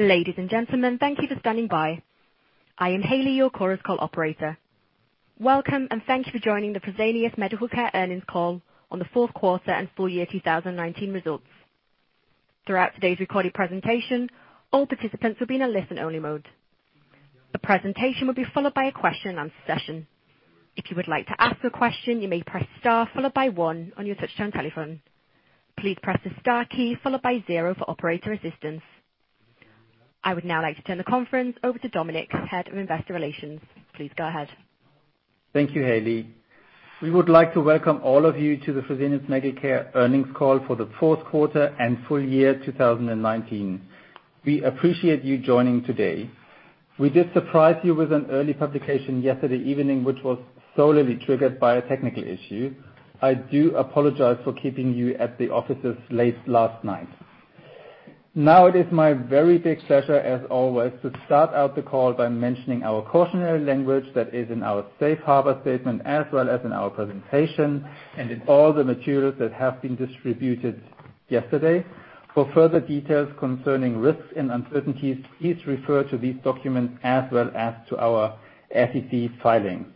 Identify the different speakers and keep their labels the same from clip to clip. Speaker 1: Ladies and gentlemen, thank you for standing by. I am Haley, your Chorus Call operator. Welcome, and thank you for joining the Fresenius Medical Care earnings call on the fourth quarter and full year 2019 results. Throughout today's recorded presentation, all participants will be in a listen-only mode. The presentation will be followed by a question and answer session. If you would like to ask a question, you may press star followed by one on your touch-tone telephone. Please press the star key followed by zero for operator assistance. I would now like to turn the conference over to Dominik, Head of Investor Relations. Please go ahead.
Speaker 2: Thank you, Haley. We would like to welcome all of you to the Fresenius Medical Care earnings call for the fourth quarter and full year 2019. We appreciate you joining today. We did surprise you with an early publication yesterday evening, which was solely triggered by a technical issue. I do apologize for keeping you at the offices late last night. Now it is my very big pleasure, as always, to start out the call by mentioning our cautionary language that is in our safe harbor statement as well as in our presentation and in all the materials that have been distributed yesterday. For further details concerning risks and uncertainties, please refer to these documents as well as to our SEC filings.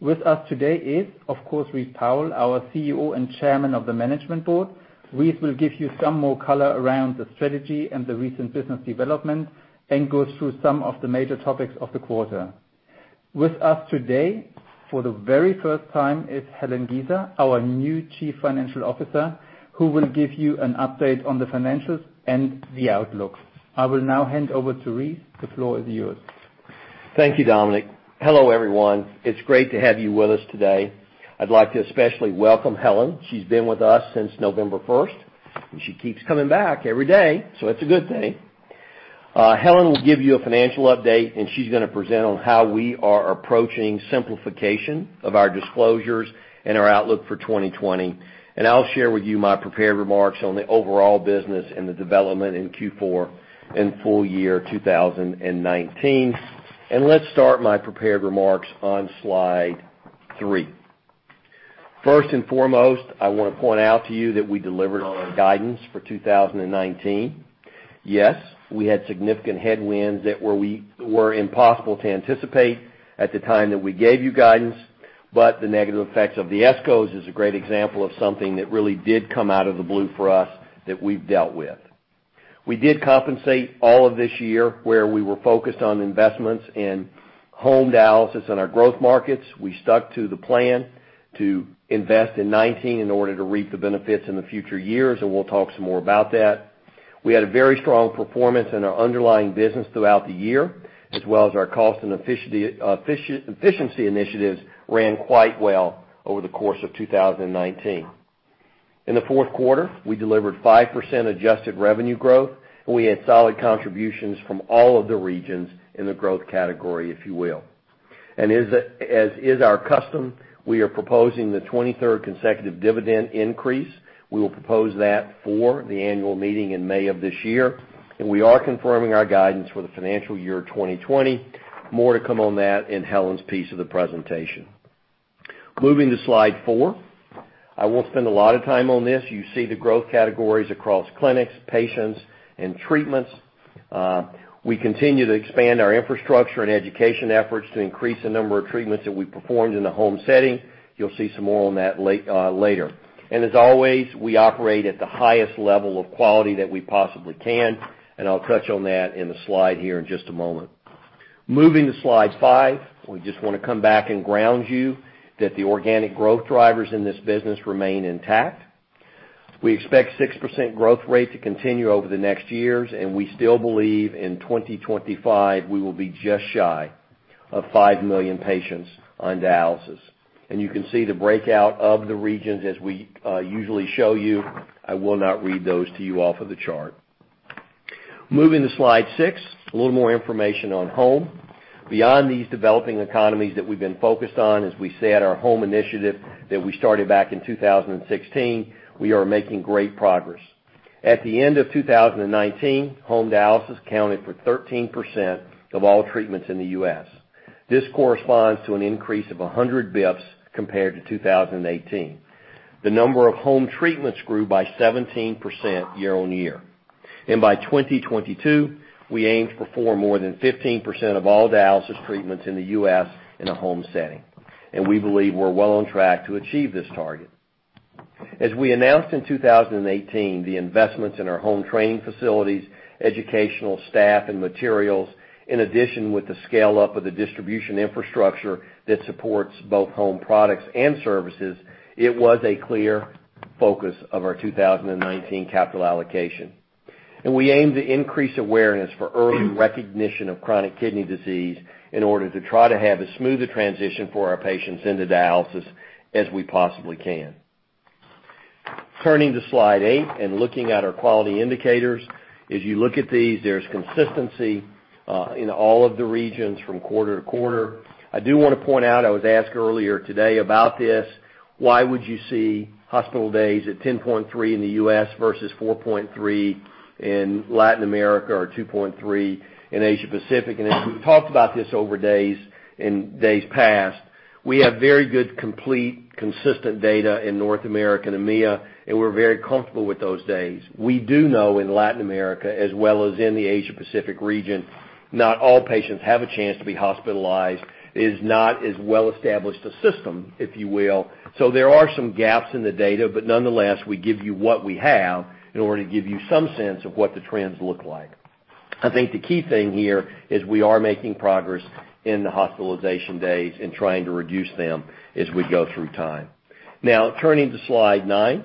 Speaker 2: With us today is, of course, Rice Powell, our CEO and Chairman of the Management Board. Rice will give you some more color around the strategy and the recent business development and go through some of the major topics of the quarter. With us today, for the very first time, is Helen Giza, our new Chief Financial Officer, who will give you an update on the financials and the outlooks. I will now hand over to Rice. The floor is yours.
Speaker 3: Thank you, Dominik. Hello, everyone. It's great to have you with us today. I'd like to especially welcome Helen. She's been with us since November 1st, and she keeps coming back every day, so it's a good thing. Helen will give you a financial update, and she's going to present on how we are approaching simplification of our disclosures and our outlook for 2020. I'll share with you my prepared remarks on the overall business and the development in Q4 and full year 2019. Let's start my prepared remarks on slide three. First and foremost, I want to point out to you that we delivered on our guidance for 2019. We had significant headwinds that were impossible to anticipate at the time that we gave you guidance, but the negative effects of the ESCOs is a great example of something that really did come out of the blue for us that we've dealt with. We did compensate all of this year, where we were focused on investments in home dialysis in our growth markets. We stuck to the plan to invest in 2019 in order to reap the benefits in the future years, we'll talk some more about that. We had a very strong performance in our underlying business throughout the year, as well as our cost and efficiency initiatives ran quite well over the course of 2019. In the fourth quarter, we delivered 5% adjusted revenue growth. We had solid contributions from all of the regions in the growth category, if you will. As is our custom, we are proposing the 23rd consecutive dividend increase. We will propose that for the annual meeting in May of this year, and we are confirming our guidance for the financial year 2020. More to come on that in Helen's piece of the presentation. Moving to slide four. I won't spend a lot of time on this. You see the growth categories across clinics, patients, and treatments. We continue to expand our infrastructure and education efforts to increase the number of treatments that we performed in the home setting. You'll see some more on that later. As always, we operate at the highest level of quality that we possibly can, and I'll touch on that in the slide here in just a moment. Moving to slide five. We just want to come back and ground you that the organic growth drivers in this business remain intact. We expect 6% growth rate to continue over the next years. We still believe in 2025, we will be just shy of 5 million patients on dialysis. You can see the breakout of the regions as we usually show you. I will not read those to you off of the chart. Moving to slide six, a little more information on home. Beyond these developing economies that we've been focused on, as we said, our home initiative that we started back in 2016, we are making great progress. At the end of 2019, home dialysis accounted for 13% of all treatments in the U.S. This corresponds to an increase of 100 bps compared to 2018. The number of home treatments grew by 17% year on year. By 2022, we aim to perform more than 15% of all dialysis treatments in the U.S. in a home setting. We believe we're well on track to achieve this target. As we announced in 2018, the investments in our home training facilities, educational staff, and materials, in addition with the scale-up of the distribution infrastructure that supports both home products and services, it was a clear focus of our 2019 capital allocation. We aim to increase awareness for early recognition of chronic kidney disease in order to try to have as smooth a transition for our patients into dialysis as we possibly can. Turning to slide eight and looking at our quality indicators. As you look at these, there's consistency in all of the regions from quarter to quarter. I do want to point out, I was asked earlier today about this, why would you see hospital days at 10.3 in the U.S. versus 4.3 in Latin America or 2.3 in Asia Pacific? As we've talked about this over days in days past, we have very good, complete, consistent data in North America and EMEA, and we're very comfortable with those days. We do know in Latin America as well as in the Asia Pacific region. Not all patients have a chance to be hospitalized. It is not as well established a system, if you will. There are some gaps in the data, but nonetheless, we give you what we have in order to give you some sense of what the trends look like. I think the key thing here is we are making progress in the hospitalization days and trying to reduce them as we go through time. Turning to Slide nine.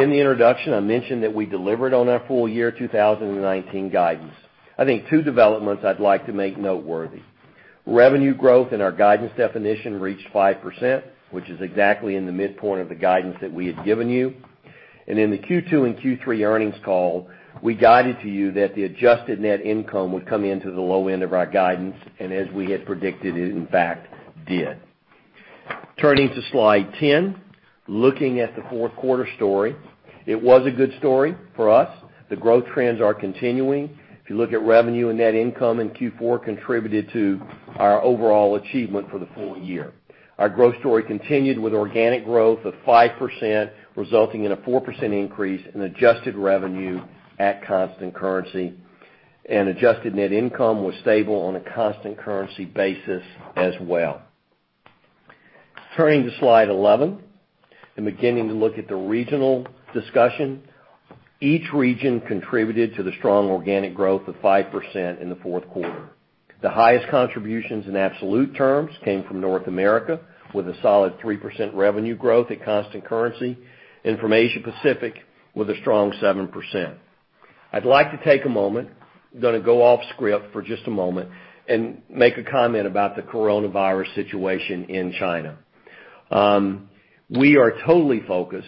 Speaker 3: In the introduction, I mentioned that we delivered on our full year 2019 guidance. I think two developments I'd like to make noteworthy. Revenue growth in our guidance definition reached 5%, which is exactly in the midpoint of the guidance that we had given you. In the Q2 and Q3 earnings call, we guided to you that the adjusted net income would come into the low end of our guidance, and as we had predicted, it in fact, did. Turning to Slide 10, looking at the fourth quarter story. It was a good story for us. The growth trends are continuing. If you look at revenue and net income in Q4 contributed to our overall achievement for the full year. Our growth story continued with organic growth of 5%, resulting in a 4% increase in adjusted revenue at constant currency, and adjusted net income was stable on a constant currency basis as well. Turning to Slide 11, and beginning to look at the regional discussion. Each region contributed to the strong organic growth of 5% in the fourth quarter. The highest contributions in absolute terms came from North America, with a solid 3% revenue growth at constant currency, and from Asia Pacific with a strong 7%. I'd like to take a moment, I'm going to go off script for just a moment, and make a comment about the coronavirus situation in China. We are totally focused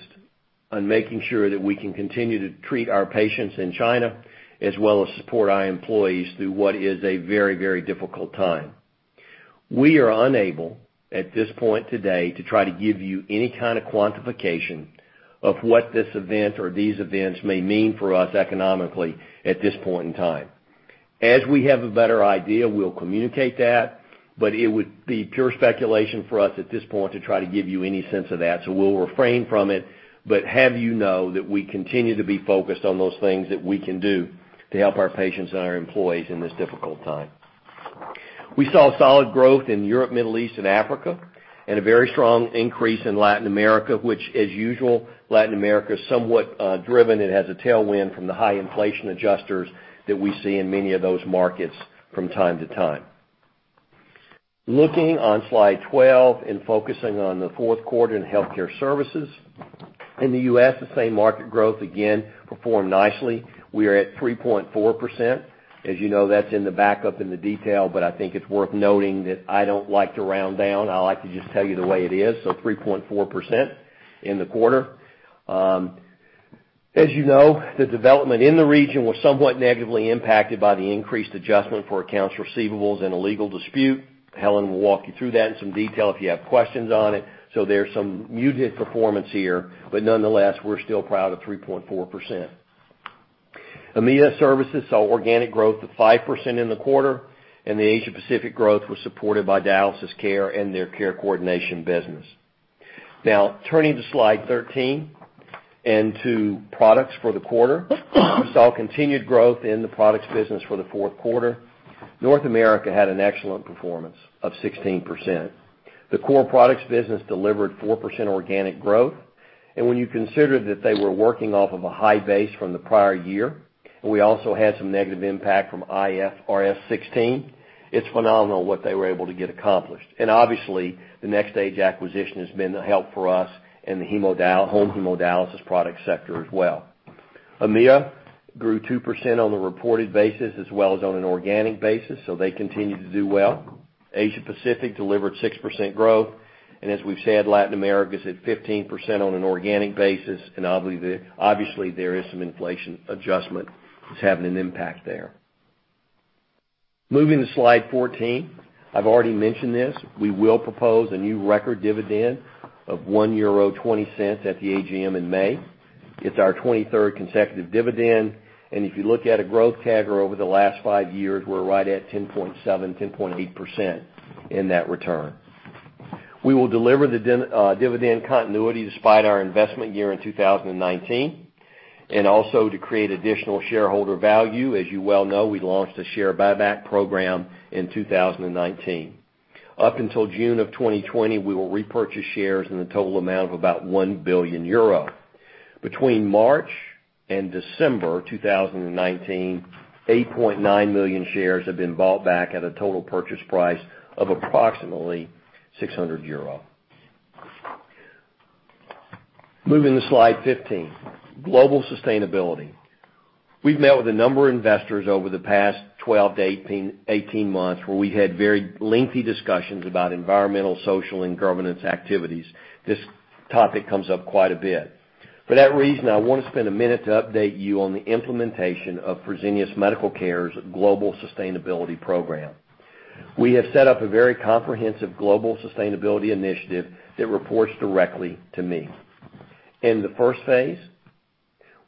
Speaker 3: on making sure that we can continue to treat our patients in China, as well as support our employees through what is a very difficult time. We are unable, at this point today, to try to give you any kind of quantification of what this event or these events may mean for us economically at this point in time. As we have a better idea, we'll communicate that, but it would be pure speculation for us at this point to try to give you any sense of that. We'll refrain from it, but have you know that we continue to be focused on those things that we can do to help our patients and our employees in this difficult time. We saw solid growth in Europe, Middle East, and Africa, and a very strong increase in Latin America, which as usual, Latin America is somewhat driven and has a tailwind from the high inflation adjusters that we see in many of those markets from time to time. Looking on Slide 12 and focusing on the fourth quarter in healthcare services. In the U.S., the same market growth again performed nicely. We are at 3.4%. As you know, that's in the backup in the detail, but I think it's worth noting that I don't like to round down. I like to just tell you the way it is, so 3.4% in the quarter. As you know, the development in the region was somewhat negatively impacted by the increased adjustment for accounts receivables and a legal dispute. Helen will walk you through that in some detail if you have questions on it. There's some muted performance here, but nonetheless, we're still proud of 3.4%. EMEA services saw organic growth of 5% in the quarter. The Asia Pacific growth was supported by dialysis care and their care coordination business. Turning to Slide 13 and to products for the quarter. We saw continued growth in the products business for the fourth quarter. North America had an excellent performance of 16%. The core products business delivered 4% organic growth. When you consider that they were working off of a high base from the prior year, and we also had some negative impact from IFRS 16, it's phenomenal what they were able to get accomplished. Obviously, the NxStage acquisition has been the help for us in the home hemodialysis product sector as well. EMEA grew 2% on a reported basis as well as on an organic basis, so they continue to do well. Asia Pacific delivered 6% growth. As we've said, Latin America is at 15% on an organic basis, and obviously there is some inflation adjustment that's having an impact there. Moving to Slide 14. I've already mentioned this. We will propose a new record dividend of 1.20 euro at the AGM in May. It's our 23rd consecutive dividend. If you look at a growth CAGR over the last five years, we're right at 10.7%, 10.8% in that return. We will deliver the dividend continuity despite our investment year in 2019, and also to create additional shareholder value. As you well know, we launched a share buyback program in 2019. Up until June of 2020, we will repurchase shares in the total amount of about 1 billion euro. Between March and December 2019, 8.9 million shares have been bought back at a total purchase price of approximately 600 euro. Moving to Slide 15. Global sustainability. We've met with a number of investors over the past 12-18 months, where we had very lengthy discussions about environmental, social, and governance activities. This topic comes up quite a bit. For that reason, I want to spend a minute to update you on the implementation of Fresenius Medical Care's global sustainability program. We have set up a very comprehensive global sustainability initiative that reports directly to me. In the first phase,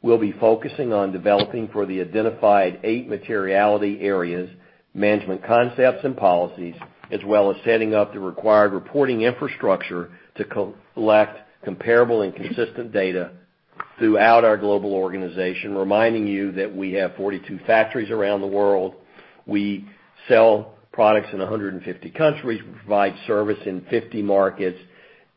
Speaker 3: we'll be focusing on developing for the identified eight materiality areas, management concepts and policies, as well as setting up the required reporting infrastructure to collect comparable and consistent data throughout our global organization, reminding you that we have 42 factories around the world. We sell products in 150 countries. We provide service in 50 markets.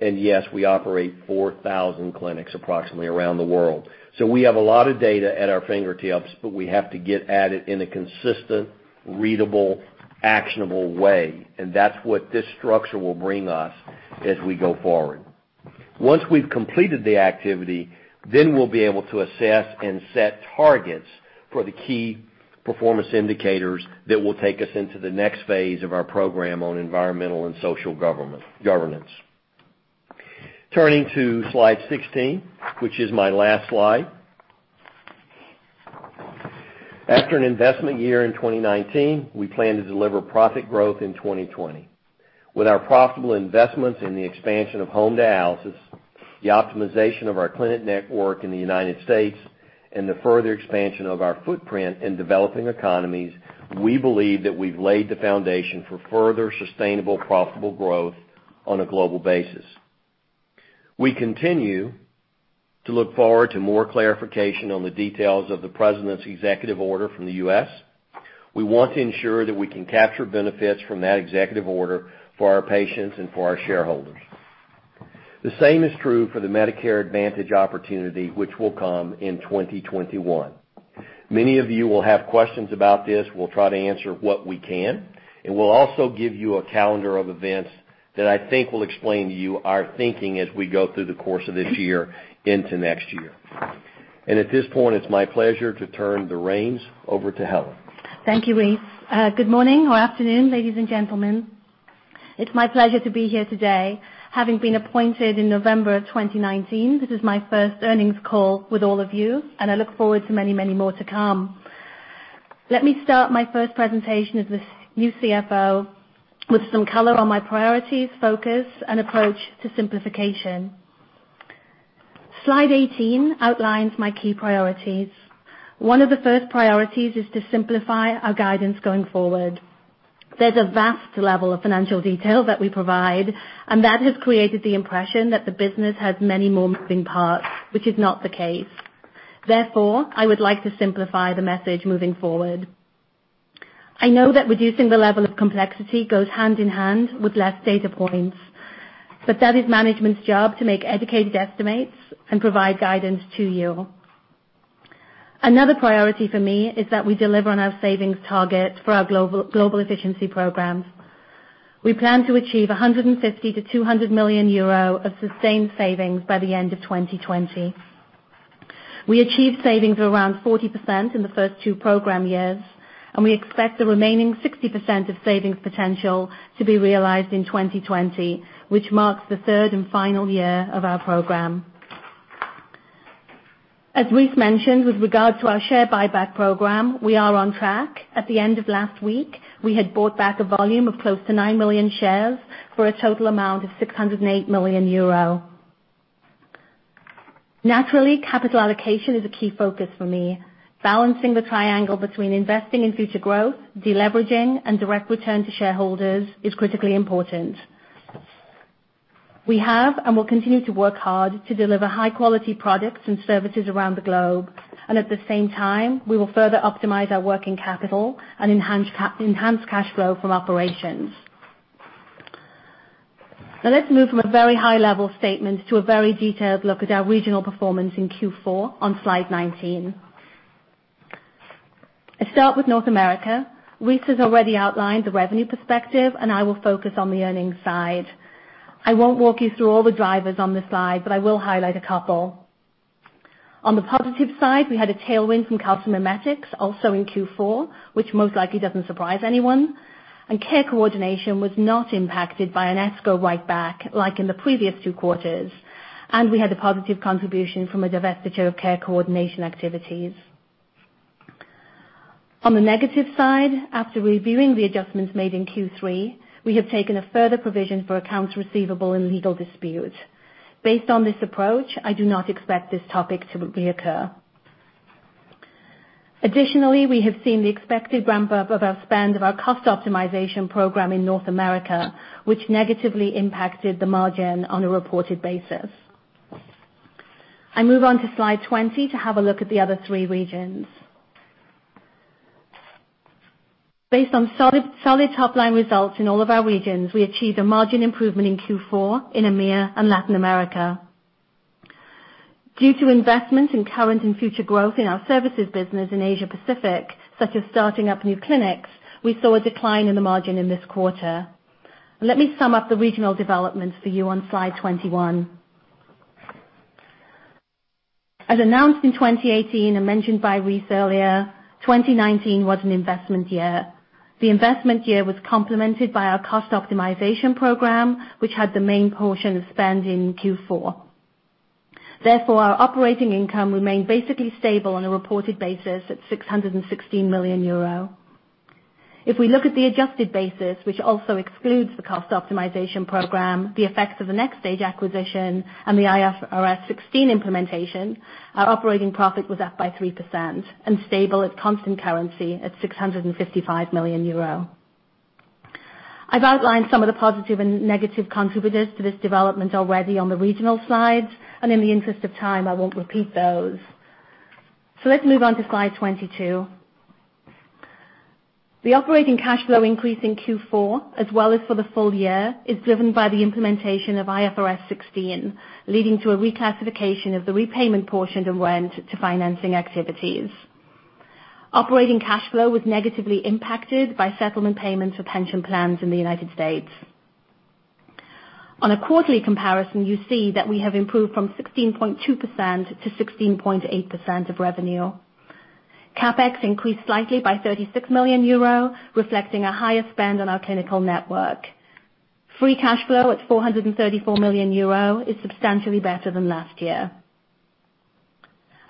Speaker 3: Yes, we operate 4,000 clinics approximately around the world. We have a lot of data at our fingertips, but we have to get at it in a consistent, readable, actionable way. That's what this structure will bring us as we go forward. Once we've completed the activity, we'll be able to assess and set targets for the Key Performance Indicators that will take us into the next phase of our program on environmental and social governance. Turning to slide 16, which is my last slide. After an investment year in 2019, we plan to deliver profit growth in 2020. With our profitable investments in the expansion of home dialysis, the optimization of our clinic network in the United States, and the further expansion of our footprint in developing economies, we believe that we've laid the foundation for further sustainable, profitable growth on a global basis. We continue to look forward to more clarification on the details of the president's executive order from the U.S. We want to ensure that we can capture benefits from that executive order for our patients and for our shareholders. The same is true for the Medicare Advantage opportunity, which will come in 2021. Many of you will have questions about this. We'll try to answer what we can, and we'll also give you a calendar of events that I think will explain to you our thinking as we go through the course of this year into next year. At this point, it's my pleasure to turn the reins over to Helen.
Speaker 4: Thank you, Rice. Good morning or afternoon, ladies and gentlemen. It's my pleasure to be here today, having been appointed in November of 2019. This is my first earnings call with all of you, and I look forward to many more to come. Let me start my first presentation as the new CFO with some color on my priorities, focus, and approach to simplification. Slide 18 outlines my key priorities. One of the first priorities is to simplify our guidance going forward. There's a vast level of financial detail that we provide, and that has created the impression that the business has many more moving parts, which is not the case. Therefore, I would like to simplify the message moving forward. I know that reducing the level of complexity goes hand in hand with less data points, but that is management's job to make educated estimates and provide guidance to you. Another priority for me is that we deliver on our savings targets for our global efficiency programs. We plan to achieve 150 million-200 million euro of sustained savings by the end of 2020. We achieved savings of around 40% in the first two program years, and we expect the remaining 60% of savings potential to be realized in 2020, which marks the third and final year of our program. As Rice mentioned, with regard to our share buyback program, we are on track. At the end of last week, we had bought back a volume of close to nine million shares for a total amount of 608 million euro. Naturally, capital allocation is a key focus for me. Balancing the triangle between investing in future growth, deleveraging, and direct return to shareholders is critically important. We have and will continue to work hard to deliver high-quality products and services around the globe, and at the same time, we will further optimize our working capital and enhance cash flow from operations. Now let's move from a very high-level statement to a very detailed look at our regional performance in Q4 on slide 19. I start with North America. Rice has already outlined the revenue perspective, and I will focus on the earnings side. I won't walk you through all the drivers on this slide, but I will highlight a couple. On the positive side, we had a tailwind from calcimimetics also in Q4, which most likely doesn't surprise anyone. Care coordination was not impacted by an ESCO write-back like in the previous two quarters, and we had a positive contribution from a divestiture of care coordination activities. On the negative side, after reviewing the adjustments made in Q3, we have taken a further provision for accounts receivable and legal disputes. Based on this approach, I do not expect this topic to reoccur. Additionally, we have seen the expected ramp-up of our spend of our cost optimization program in North America, which negatively impacted the margin on a reported basis. I move on to slide 20 to have a look at the other three regions. Based on solid top-line results in all of our regions, we achieved a margin improvement in Q4 in EMEA and Latin America. Due to investment in current and future growth in our services business in Asia-Pacific, such as starting up new clinics, we saw a decline in the margin in this quarter. Let me sum up the regional developments for you on slide 21. As announced in 2018 and mentioned by Rice earlier, 2019 was an investment year. The investment year was complemented by our cost optimization program, which had the main portion of spend in Q4. Our operating income remained basically stable on a reported basis at 616 million euro. If we look at the adjusted basis, which also excludes the cost optimization program, the effects of the NxStage acquisition, and the IFRS 16 implementation, our operating profit was up by 3% and stable at constant currency at 655 million euro. I've outlined some of the positive and negative contributors to this development already on the regional slides, and in the interest of time, I won't repeat those. Let's move on to slide 22. The operating cash flow increase in Q4, as well as for the full year, is driven by the implementation of IFRS 16, leading to a reclassification of the repayment portion of rent to financing activities. Operating cash flow was negatively impacted by settlement payments for pension plans in the U.S. On a quarterly comparison, you see that we have improved from 16.2%-16.8% of revenue. CapEx increased slightly by 36 million euro, reflecting a higher spend on our clinical network. Free cash flow at 434 million euro is substantially better than last year.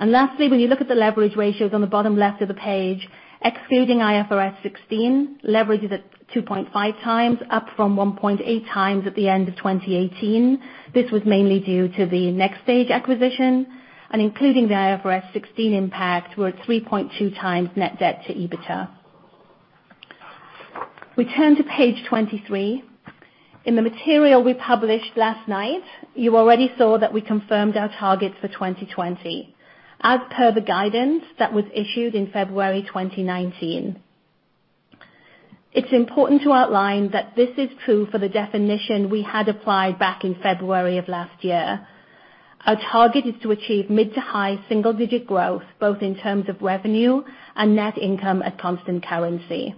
Speaker 4: Lastly, when you look at the leverage ratios on the bottom left of the page, excluding IFRS 16, leverage is at 2.5x up from 1.8x at the end of 2018. This was mainly due to the NxStage acquisition. Including the IFRS 16 impact, we're at 3.2x net debt to EBITDA. We turn to page 23. In the material we published last night, you already saw that we confirmed our targets for 2020 as per the guidance that was issued in February 2019. It's important to outline that this is true for the definition we had applied back in February of last year. Our target is to achieve mid to high single-digit growth, both in terms of revenue and net income at constant currency.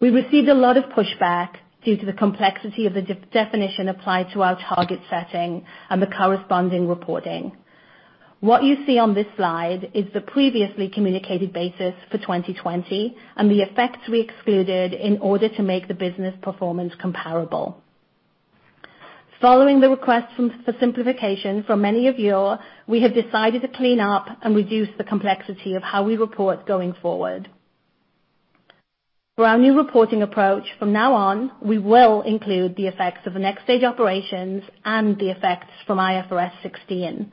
Speaker 4: We received a lot of pushback due to the complexity of the definition applied to our target setting and the corresponding reporting. What you see on this slide is the previously communicated basis for 2020 and the effects we excluded in order to make the business performance comparable. Following the request for simplification from many of you, we have decided to clean up and reduce the complexity of how we report going forward. For our new reporting approach from now on, we will include the effects of NxStage operations and the effects from IFRS 16.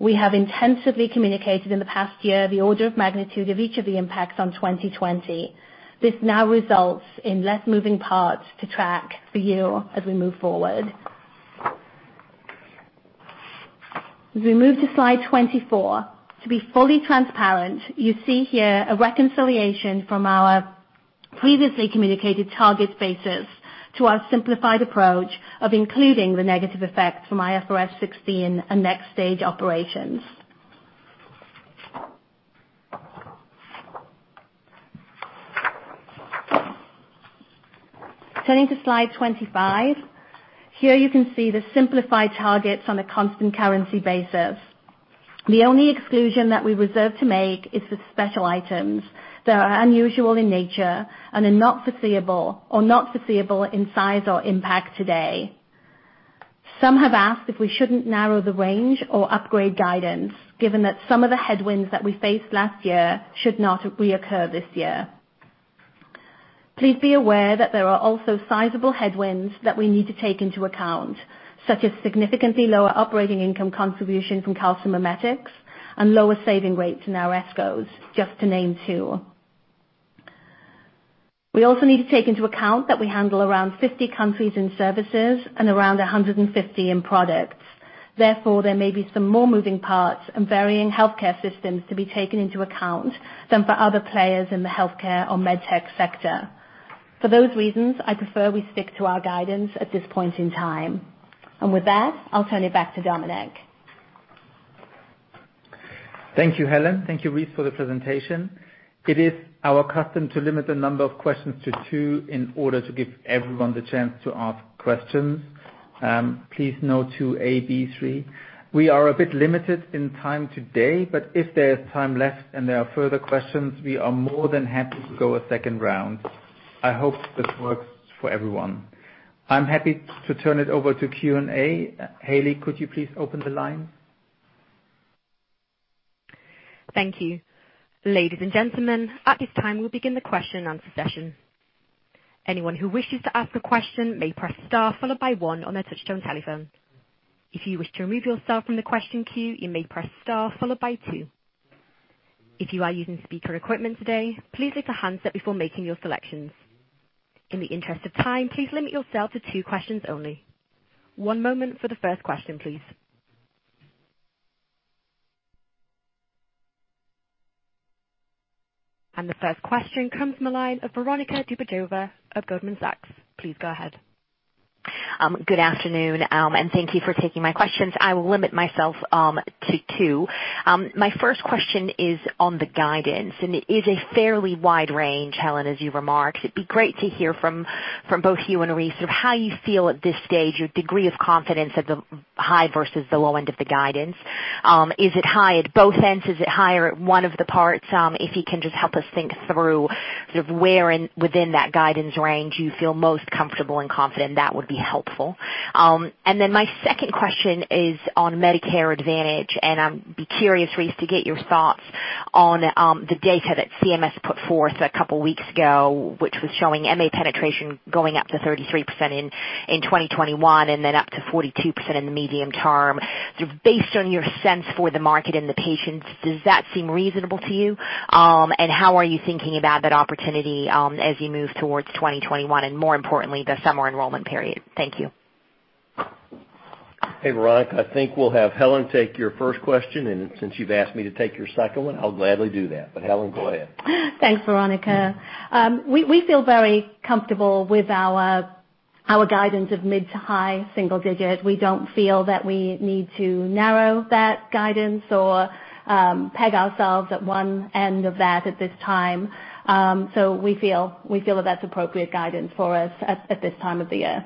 Speaker 4: We have intensively communicated in the past year the order of magnitude of each of the impacts on 2020. This now results in less moving parts to track for you as we move forward. As we move to slide 24, to be fully transparent, you see here a reconciliation from our previously communicated target basis to our simplified approach of including the negative effects from IFRS 16 and NxStage operations. Turning to slide 25. Here you can see the simplified targets on a constant currency basis. The only exclusion that we reserve to make is the special items that are unusual in nature and are not foreseeable or not foreseeable in size or impact today. Some have asked if we shouldn't narrow the range or upgrade guidance, given that some of the headwinds that we faced last year should not reoccur this year. Please be aware that there are also sizable headwinds that we need to take into account, such as significantly lower operating income contribution from calcimimetics and lower saving rates in our ESCOs, just to name two. We also need to take into account that we handle around 50 countries in services and around 150 in products. Therefore, there may be some more moving parts and varying healthcare systems to be taken into account than for other players in the healthcare or med tech sector. For those reasons, I prefer we stick to our guidance at this point in time. With that, I'll turn it back to Dominik.
Speaker 2: Thank you, Helen. Thank you, Rice, for the presentation. It is our custom to limit the number of questions to two in order to give everyone the chance to ask questions. Please no to A, B, three. We are a bit limited in time today, but if there is time left and there are further questions, we are more than happy to go a second round. I hope this works for everyone. I'm happy to turn it over to Q&A. Haley, could you please open the line?
Speaker 1: Thank you. Ladies and gentlemen, at this time, we'll begin the question and answer session. Anyone who wishes to ask a question may press star followed by one on their touch-tone telephone. If you wish to remove yourself from the question queue, you may press star followed by two. If you are using speaker equipment today, please lift the handset before making your selections. In the interest of time, please limit yourself to two questions only. One moment for the first question, please. The first question comes from the line of Veronika Dubajova of Goldman Sachs. Please go ahead.
Speaker 5: Good afternoon, and thank you for taking my questions. I will limit myself to two. My first question is on the guidance, and it is a fairly wide range, Helen, as you remarked. It'd be great to hear from both you and Rice of how you feel at this stage, your degree of confidence at the high versus the low end of the guidance. Is it high at both ends? Is it higher at one of the parts? If you can just help us think through where within that guidance range you feel most comfortable and confident, that would be helpful. My second question is on Medicare Advantage, and I'd be curious, Rice, to get your thoughts on the data that CMS put forth a couple weeks ago, which was showing MA penetration going up to 33% in 2021 and then up to 42% in the medium term. Based on your sense for the market and the patients, does that seem reasonable to you? How are you thinking about that opportunity as you move towards 2021, and more importantly, the summer enrollment period? Thank you.
Speaker 3: Hey, Veronika. I think we'll have Helen take your first question. Since you've asked me to take your second one, I'll gladly do that. Helen, go ahead.
Speaker 4: Thanks, Veronika. We feel very comfortable with our guidance of mid to high single digit. We don't feel that we need to narrow that guidance or peg ourselves at one end of that at this time. We feel that that's appropriate guidance for us at this time of the year.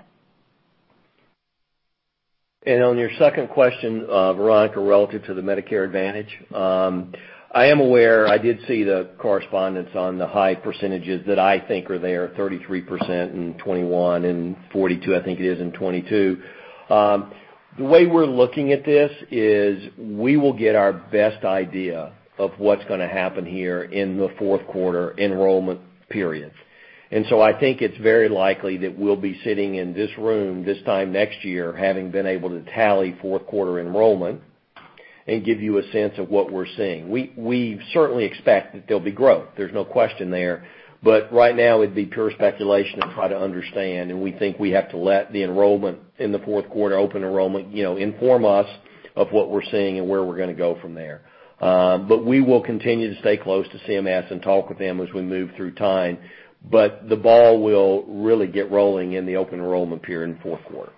Speaker 3: On your second question, Veronika, relative to the Medicare Advantage. I am aware, I did see the correspondence on the high percentages that I think are there, 33%, and 21%, and 42%, I think it is in 22%. The way we're looking at this is we will get our best idea of what's going to happen here in the fourth quarter enrollment period. I think it's very likely that we'll be sitting in this room this time next year, having been able to tally fourth quarter enrollment and give you a sense of what we're seeing. We certainly expect that there'll be growth. There's no question there. Right now, it'd be pure speculation to try to understand, and we think we have to let the enrollment in the fourth quarter open enrollment inform us of what we're seeing and where we're going to go from there. We will continue to stay close to CMS and talk with them as we move through time, but the ball will really get rolling in the open enrollment period in fourth quarter.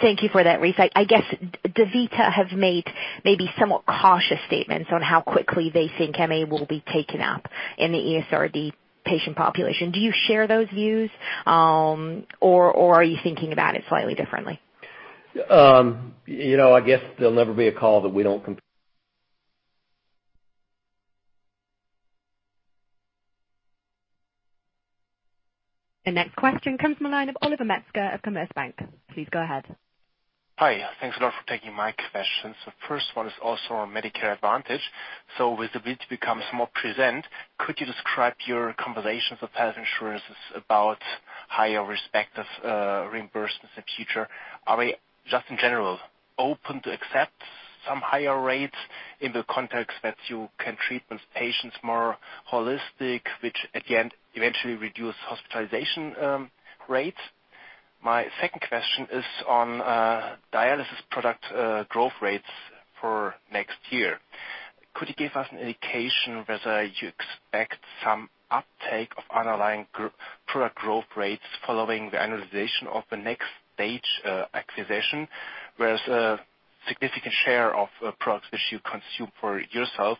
Speaker 5: Thank you for that, Rice. I guess, DaVita have made maybe somewhat cautious statements on how quickly they think MA will be taken up in the ESRD patient population. Do you share those views? Are you thinking about it slightly differently?
Speaker 3: I guess there'll never be a call that we don't complete.
Speaker 1: The next question comes from the line of Oliver Metzger of Commerzbank. Please go ahead.
Speaker 6: Hi. Thanks a lot for taking my questions. The first one is also on Medicare Advantage. With the bid becomes more present, could you describe your conversations with health insurances about higher respective reimbursements in future? Are they, just in general, open to accept some higher rates in the context that you can treat patients more holistic, which again, eventually reduce hospitalization rates? My second question is on dialysis product growth rates for next year. Could you give us an indication whether you expect some uptake of underlying product growth rates following the annualization of the NxStage acquisition, whereas a significant share of products that you consume for yourself.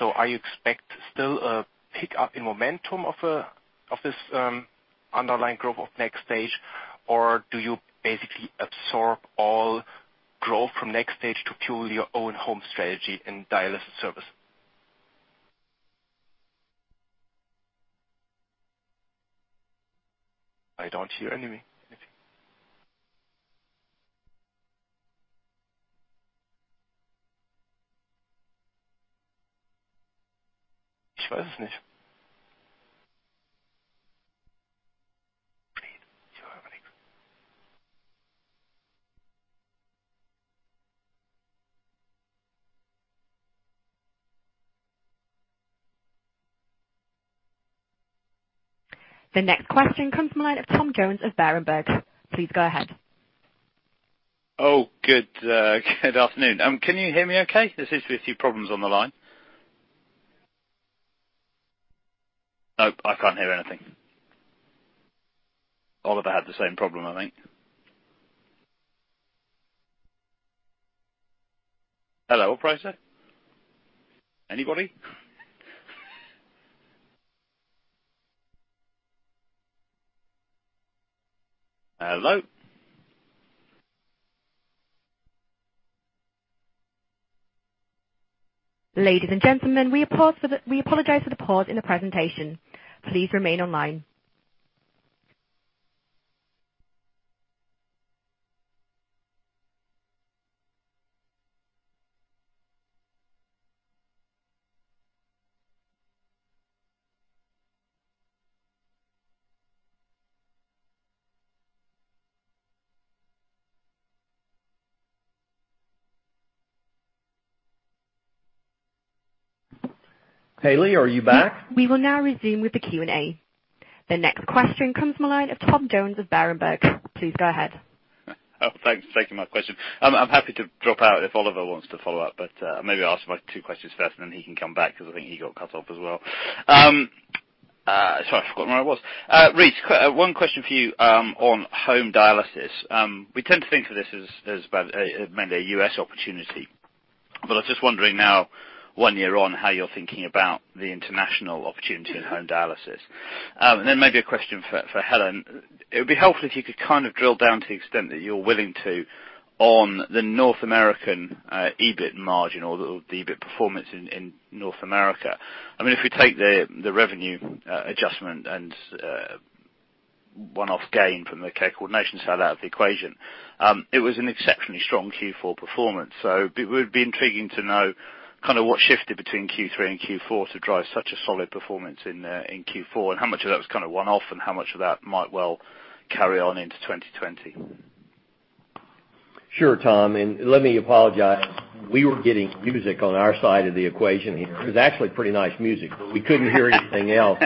Speaker 6: Are you expect still a pickup in momentum of this underlying growth of NxStage, or do you basically absorb all growth from NxStage to fuel your own home strategy and dialysis service?
Speaker 3: I don't hear anyway anything.
Speaker 1: The next question comes from the line of Tom Jones of Berenberg. Please go ahead.
Speaker 7: Oh, good afternoon. Can you hear me okay? There seems to be a few problems on the line. Nope, I can't hear anything. Oliver had the same problem, I think. Hello, Fraser. Anybody? Hello?
Speaker 1: Ladies and gentlemen, we apologize for the pause in the presentation. Please remain online.
Speaker 3: Haley, are you back?
Speaker 1: We will now resume with the Q&A. The next question comes from the line of Tom Jones of Berenberg. Please go ahead.
Speaker 7: Oh, thanks for taking my question. I'm happy to drop out if Oliver wants to follow up, but maybe I'll ask my two questions first, and then he can come back because I think he got cut off as well. Sorry, I've forgotten where I was. Rice, one question for you on home dialysis. We tend to think of this as mainly a U.S. opportunity, but I was just wondering now, one year on, how you're thinking about the international opportunity in home dialysis. Maybe a question for Helen. It would be helpful if you could kind of drill down to the extent that you're willing to on the North American EBIT margin or the EBIT performance in North America. If we take the revenue adjustment and one-off gain from the care coordination sell out of the equation, it was an exceptionally strong Q4 performance. It would be intriguing to know what shifted between Q3 and Q4 to drive such a solid performance in Q4, and how much of that was one-off, and how much of that might well carry on into 2020.
Speaker 3: Sure, Tom, let me apologize. We were getting music on our side of the equation here. It was actually pretty nice music, we couldn't hear anything else.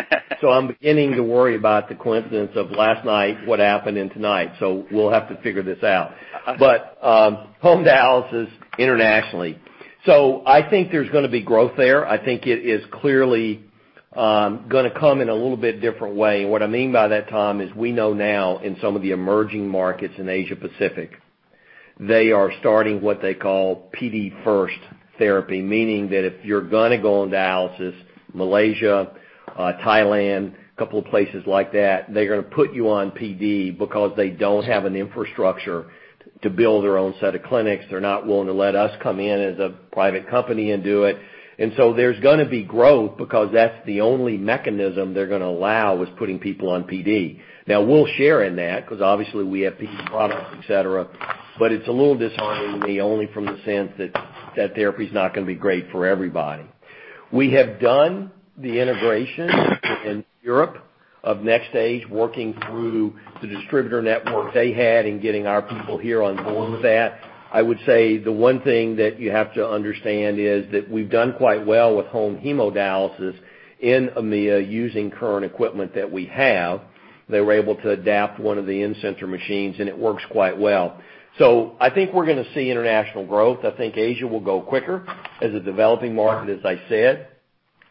Speaker 3: I'm beginning to worry about the coincidence of last night, what happened, and tonight. We'll have to figure this out. Home dialysis internationally. I think there's going to be growth there. I think it is clearly going to come in a little bit different way. What I mean by that, Tom, is we know now in some of the emerging markets in Asia Pacific, they are starting what they call PD first therapy, meaning that if you're going to go on dialysis, Malaysia, Thailand, couple of places like that, they're going to put you on PD because they don't have an infrastructure to build their own set of clinics. They're not willing to let us come in as a private company and do it. There's going to be growth because that's the only mechanism they're going to allow, is putting people on PD. Now, we'll share in that because obviously we have PD products, et cetera. It's a little disheartening to me only from the sense that that therapy's not going to be great for everybody. We have done the integration in Europe of NxStage, working through the distributor network they had and getting our people here on board with that. I would say the one thing that you have to understand is that we've done quite well with home hemodialysis in EMEA using current equipment that we have. They were able to adapt one of the in-center machines, and it works quite well. I think we're going to see international growth. I think Asia will go quicker as a developing market, as I said.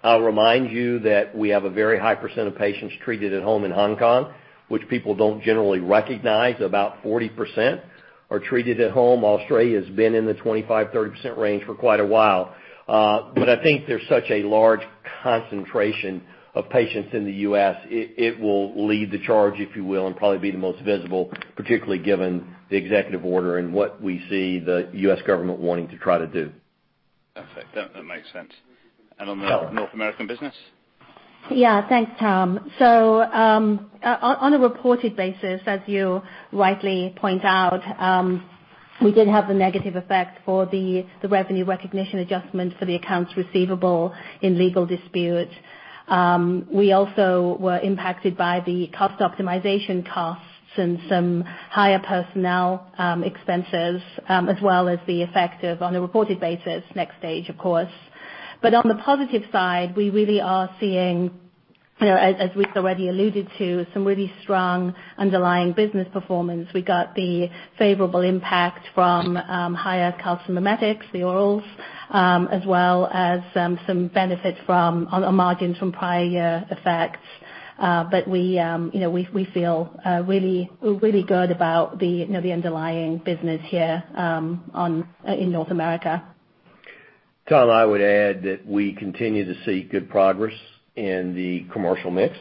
Speaker 3: I'll remind you that we have a very high percent of patients treated at home in Hong Kong, which people don't generally recognize. About 40% are treated at home. Australia's been in the 25%-30% range for quite a while. I think there's such a large concentration of patients in the U.S., it will lead the charge, if you will, and probably be the most visible, particularly given the executive order and what we see the U.S. government wanting to try to do.
Speaker 7: Perfect. That makes sense. On the North American business?
Speaker 4: Thanks, Tom. On a reported basis, as you rightly point out, we did have the negative effect for the revenue recognition adjustment for the accounts receivable in legal disputes. We also were impacted by the cost optimization costs and some higher personnel expenses, as well as the effect of, on a reported basis, NxStage, of course. On the positive side, we really are seeing, as we've already alluded to, some really strong underlying business performance. We got the favorable impact from higher calcimimetics, the orals as well as some benefits from margins from prior year effects. We feel really good about the underlying business here in North America.
Speaker 3: Tom, I would add that we continue to see good progress in the commercial mix.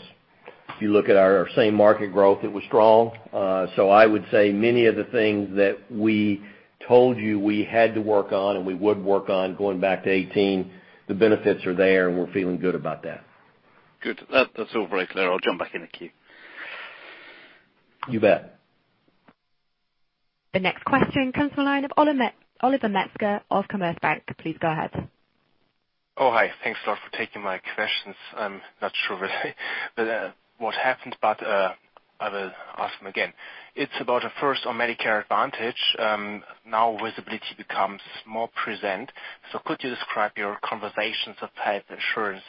Speaker 3: If you look at our same market growth, it was strong. I would say many of the things that we told you we had to work on and we would work on going back to 2018, the benefits are there, and we're feeling good about that.
Speaker 7: Good. That's all very clear. I'll jump back in the queue.
Speaker 3: You bet.
Speaker 1: The next question comes from the line of Oliver Metzger of Commerzbank. Please go ahead.
Speaker 6: Oh, hi. Thanks a lot for taking my questions. I'm not sure really what happened. I will ask them again. It's about at first on Medicare Advantage. Visibility becomes more present. Could you describe your conversations of health insurers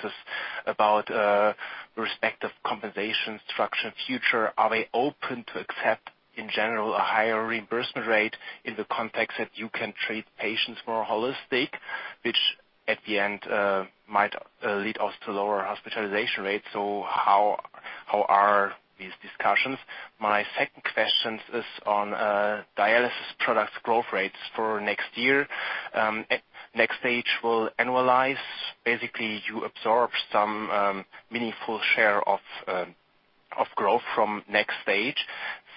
Speaker 6: about respective compensation structure future? Are they open to accept, in general, a higher reimbursement rate in the context that you can treat patients more holistically, which at the end might lead also to lower hospitalization rates? How are these discussions? My second question is on dialysis products growth rates for next year. NxStage will annualize. Basically, you absorb some meaningful share of growth from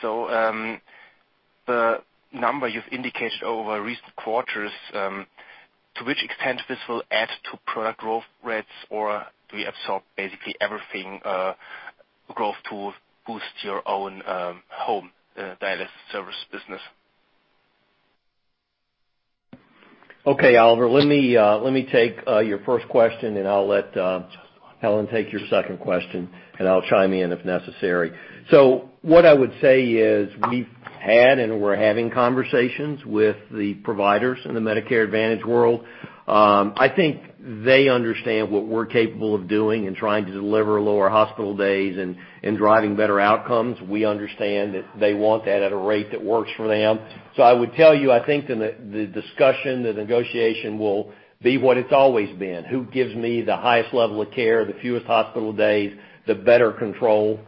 Speaker 6: NxStage. The number you've indicated over recent quarters, to which extent this will add to product growth rates, or do we absorb basically everything growth to boost your own home dialysis service business?
Speaker 3: Okay, Oliver, let me take your first question, and I'll let Helen take your second question, and I'll chime in if necessary. What I would say is we've had and we're having conversations with the providers in the Medicare Advantage world. I think they understand what we're capable of doing in trying to deliver lower hospital days and driving better outcomes. We understand that they want that at a rate that works for them. I would tell you, I think the discussion, the negotiation will be what it's always been. Who gives me the highest level of care, the fewest hospital days, the better control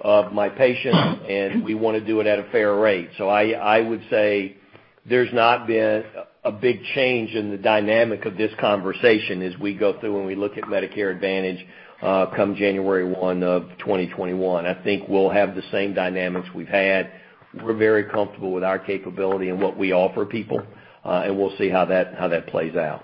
Speaker 3: of my patients, and we want to do it at a fair rate. I would say there's not been a big change in the dynamic of this conversation as we go through when we look at Medicare Advantage come January 1 of 2021. I think we'll have the same dynamics we've had. We're very comfortable with our capability and what we offer people. We'll see how that plays out.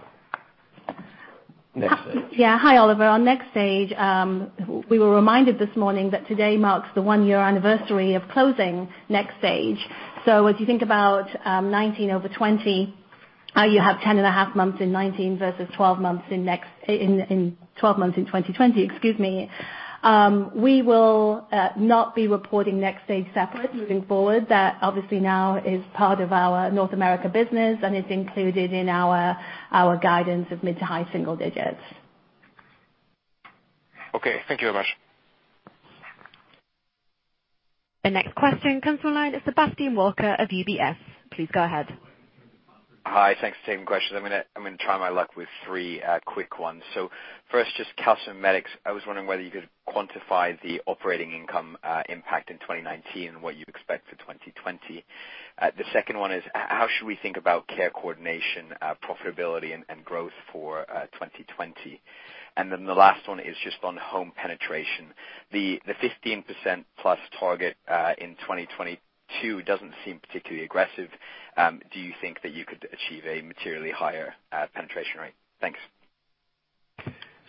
Speaker 3: NxStage.
Speaker 4: Yeah. Hi, Oliver. On NxStage, we were reminded this morning that today marks the one-year anniversary of closing NxStage. As you think about 2019 over 2020, you have 10 and a half months in 2019 versus 12 months in 2020. We will not be reporting NxStage separate moving forward. That obviously now is part of our North America business and is included in our guidance of mid to high single digits.
Speaker 6: Okay. Thank you very much.
Speaker 1: The next question comes from the line of Sebastian Walker of UBS. Please go ahead.
Speaker 8: Hi. Thanks for taking the question. I'm going to try my luck with three quick ones. First, just calcimimetics. I was wondering whether you could quantify the operating income impact in 2019 and what you expect for 2020. The second one is, how should we think about care coordination, profitability and growth for 2020? The last one is just on home penetration. The 15%+ target in 2022 doesn't seem particularly aggressive. Do you think that you could achieve a materially higher penetration rate? Thanks.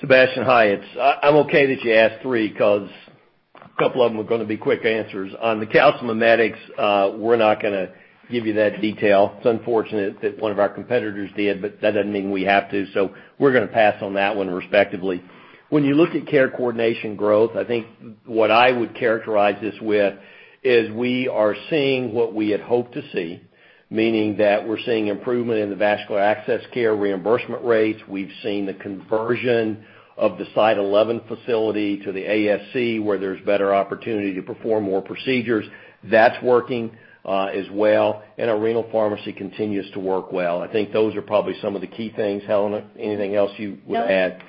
Speaker 3: Sebastian, hi. I'm okay that you asked three because a couple of them are going to be quick answers. On the calcimimetics, we're not going to give you that detail. It's unfortunate that one of our competitors did, but that doesn't mean we have to. We're going to pass on that one respectively. When you look at care coordination growth, I think what I would characterize this with is we are seeing what we had hoped to see, meaning that we're seeing improvement in the vascular access care reimbursement rates. We've seen the conversion of the Site 11 facility to the ASC, where there's better opportunity to perform more procedures. That's working as well. Our renal pharmacy continues to work well. I think those are probably some of the key things. Helen, anything else you would add?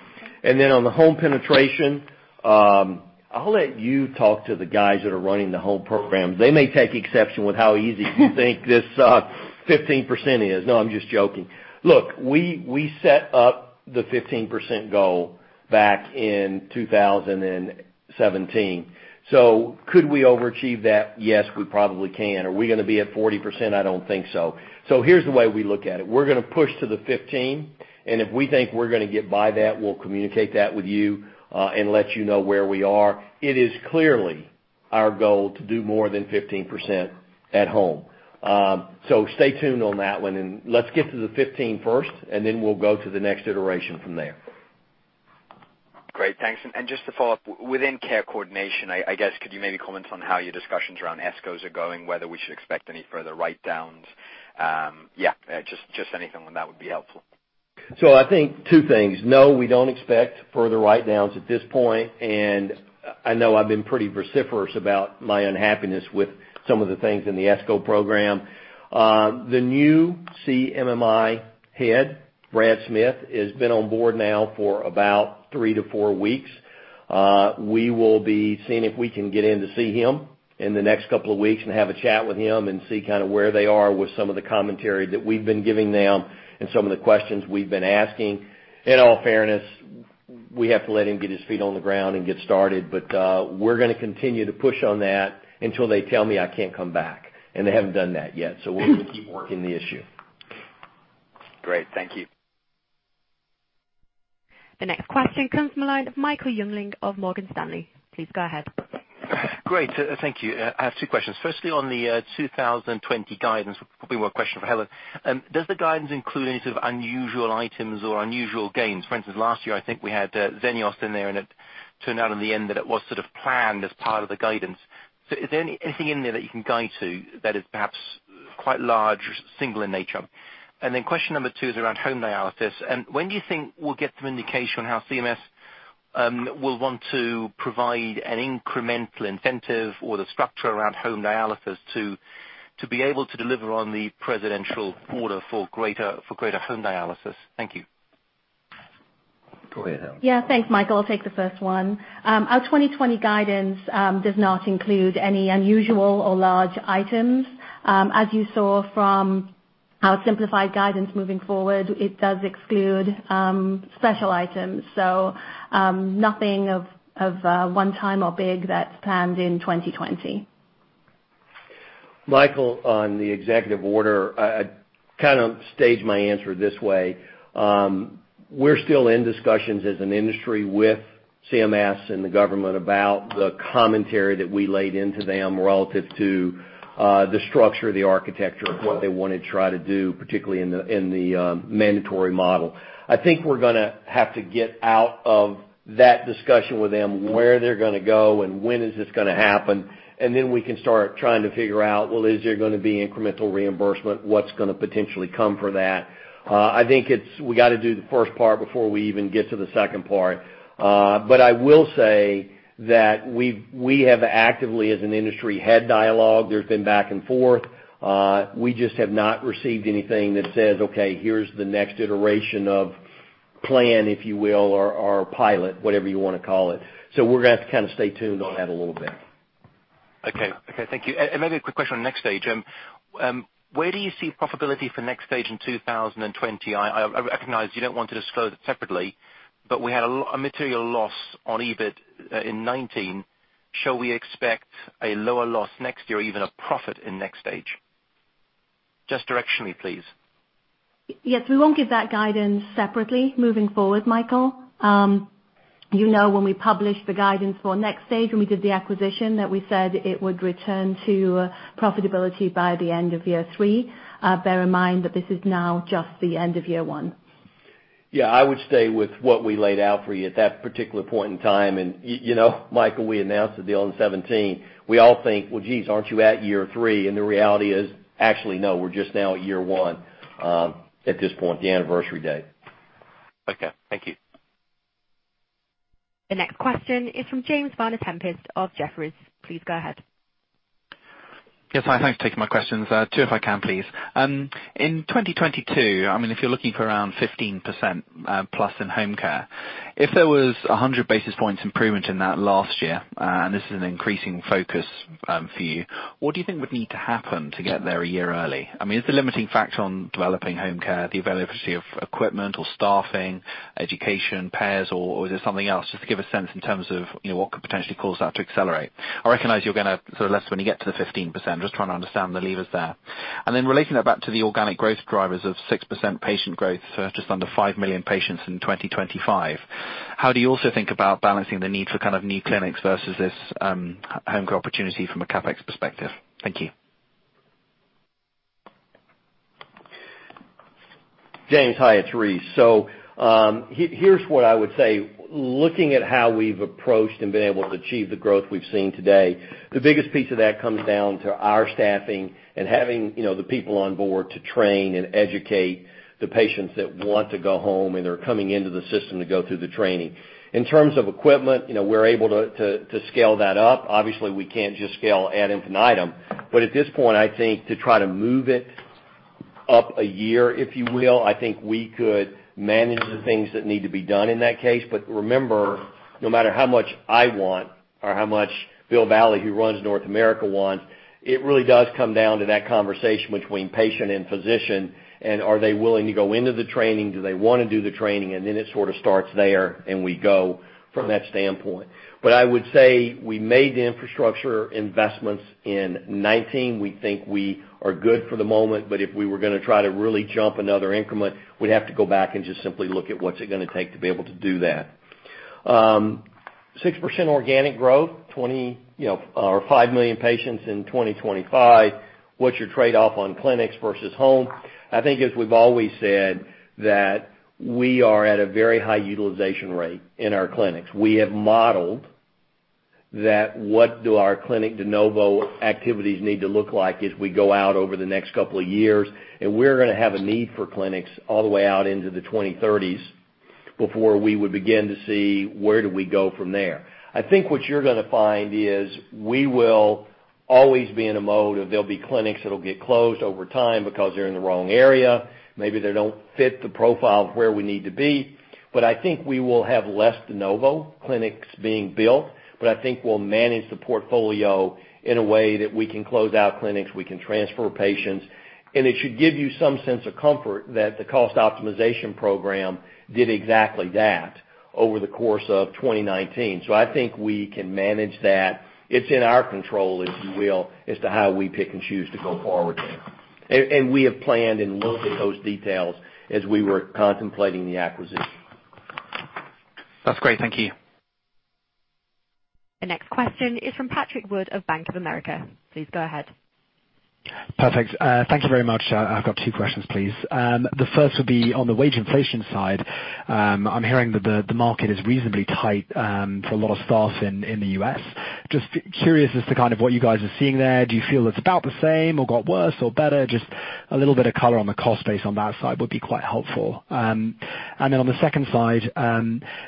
Speaker 4: No.
Speaker 3: On the home penetration, I'll let you talk to the guys that are running the home program. They may take exception with how easy you think this 15% is. No, I'm just joking. Look, we set up the 15% goal back in 2017. Could we overachieve that? Yes, we probably can. Are we going to be at 40%? I don't think so. Here's the way we look at it. We're going to push to the 15, and if we think we're going to get by that, we'll communicate that with you, and let you know where we are. It is clearly our goal to do more than 15% at home. Stay tuned on that one and let's get to the 15 first, and then we'll go to the next iteration from there.
Speaker 8: Great. Thanks. Just to follow up, within care coordination, I guess, could you maybe comment on how your discussions around ESCOs are going, whether we should expect any further write-downs? Just anything on that would be helpful.
Speaker 3: I think two things. No, we don't expect further write-downs at this point. I know I've been pretty vociferous about my unhappiness with some of the things in the ESCO program. The new CMMI head, Brad Smith, has been on board now for about three to four weeks. We will be seeing if we can get in to see him in the next couple of weeks and have a chat with him and see where they are with some of the commentary that we've been giving them and some of the questions we've been asking. In all fairness, we have to let him get his feet on the ground and get started. We're going to continue to push on that until they tell me I can't come back, and they haven't done that yet. We'll keep working the issue.
Speaker 8: Great. Thank you.
Speaker 1: The next question comes from the line of Michael Jüngling of Morgan Stanley. Please go ahead.
Speaker 9: Great. Thank you. I have two questions. On the 2020 guidance, probably more a question for Helen. Does the guidance include any sort of unusual items or unusual gains? For instance, last year, I think we had Xenios in there and it turned out in the end that it was sort of planned as part of the guidance. Is there anything in there that you can guide to that is perhaps quite large, single in nature? Question number two is around home dialysis. When do you think we'll get some indication on how CMS will want to provide an incremental incentive or the structure around home dialysis to be able to deliver on the presidential order for greater home dialysis? Thank you.
Speaker 3: Go ahead, Helen.
Speaker 4: Yeah. Thanks, Michael. I'll take the first one. Our 2020 guidance does not include any unusual or large items. As you saw from our simplified guidance moving forward, it does exclude special items. Nothing of one time or big that's planned in 2020.
Speaker 3: Michael, on the executive order, I kind of stage my answer this way. We're still in discussions as an industry with CMS and the government about the commentary that we laid into them relative to the structure of the architecture and what they want to try to do, particularly in the mandatory model. I think we're going to have to get out of that discussion with them, where they're going to go and when is this going to happen, and then we can start trying to figure out, well, is there going to be incremental reimbursement? What's going to potentially come from that? I think we got to do the first part before we even get to the second part. I will say that we have actively, as an industry, had dialogue. There's been back and forth. We just have not received anything that says, okay, here's the next iteration of plan, if you will, or pilot, whatever you want to call it. We're going to have to kind of stay tuned on that a little bit.
Speaker 9: Okay. Thank you. Maybe a quick question on NxStage. Where do you see profitability for NxStage in 2020? I recognize you don't want to disclose it separately, but we had a material loss on EBIT in 2019. Shall we expect a lower loss next year, even a profit in NxStage? Just directionally, please.
Speaker 4: Yes. We won't give that guidance separately moving forward, Michael. You know, when we published the guidance for NxStage, when we did the acquisition, that we said it would return to profitability by the end of year three. Bear in mind that this is now just the end of year one.
Speaker 3: Yeah, I would stay with what we laid out for you at that particular point in time. Michael, we announced the deal in 2017. We all think, "Well, geez, aren't you at year three?" The reality is, actually, no, we're just now at year one at this point, the anniversary date.
Speaker 9: Okay, thank you.
Speaker 1: The next question is from James Vane-Tempest of Jefferies. Please go ahead.
Speaker 10: Yes, hi. Thanks for taking my questions. Two if I can please. In 2022, if you're looking for around 15% plus in home care, if there was 100 basis points improvement in that last year, and this is an increasing focus for you, what do you think would need to happen to get there a year early? Is the limiting factor on developing home care, the availability of equipment or staffing, education, payers, or is there something else? Just to give a sense in terms of what could potentially cause that to accelerate. I recognize you're going to sort of list when you get to the 15%, just trying to understand the levers there. Then relating that back to the organic growth drivers of 6% patient growth, just under five million patients in 2025, how do you also think about balancing the need for new clinics versus this home care opportunity from a CapEx perspective? Thank you.
Speaker 3: James. Hi, it's Rice. Here's what I would say. Looking at how we've approached and been able to achieve the growth we've seen today, the biggest piece of that comes down to our staffing and having the people on board to train and educate the patients that want to go home, and they're coming into the system to go through the training. In terms of equipment, we're able to scale that up. Obviously, we can't just scale ad infinitum. At this point, I think to try to move it up a year, if you will, I think we could manage the things that need to be done in that case. Remember, no matter how much I want or how much Bill Valle, who runs North America wants, it really does come down to that conversation between patient and physician. Are they willing to go into the training? Do they want to do the training? It sort of starts there. We go from that standpoint. I would say we made the infrastructure investments in 2019. We think we are good for the moment. If we were going to try to really jump another increment, we'd have to go back and just simply look at what's it going to take to be able to do that. 6% organic growth, 5 million patients in 2025. What's your trade-off on clinics versus home? I think, as we've always said, that we are at a very high utilization rate in our clinics. We have modeled that what do our clinic de novo activities need to look like as we go out over the next couple of years, and we're going to have a need for clinics all the way out into the 2030s before we would begin to see where do we go from there. I think what you're going to find is we will always be in a mode of there'll be clinics that'll get closed over time because they're in the wrong area. Maybe they don't fit the profile of where we need to be. I think we will have less de novo clinics being built. I think we'll manage the portfolio in a way that we can close out clinics, we can transfer patients. It should give you some sense of comfort that the cost optimization program did exactly that over the course of 2019. I think we can manage that. It's in our control, if you will, as to how we pick and choose to go forward there. We have planned and looked at those details as we were contemplating the acquisition.
Speaker 10: That's great. Thank you.
Speaker 1: The next question is from Patrick Wood of Bank of America. Please go ahead.
Speaker 11: Perfect. Thank you very much. I've got two questions, please. The first would be on the wage inflation side. I'm hearing that the market is reasonably tight for a lot of staff in the U.S. Just curious as to what you guys are seeing there. Do you feel it's about the same or got worse or better? Just a little bit of color on the cost base on that side would be quite helpful. On the second side,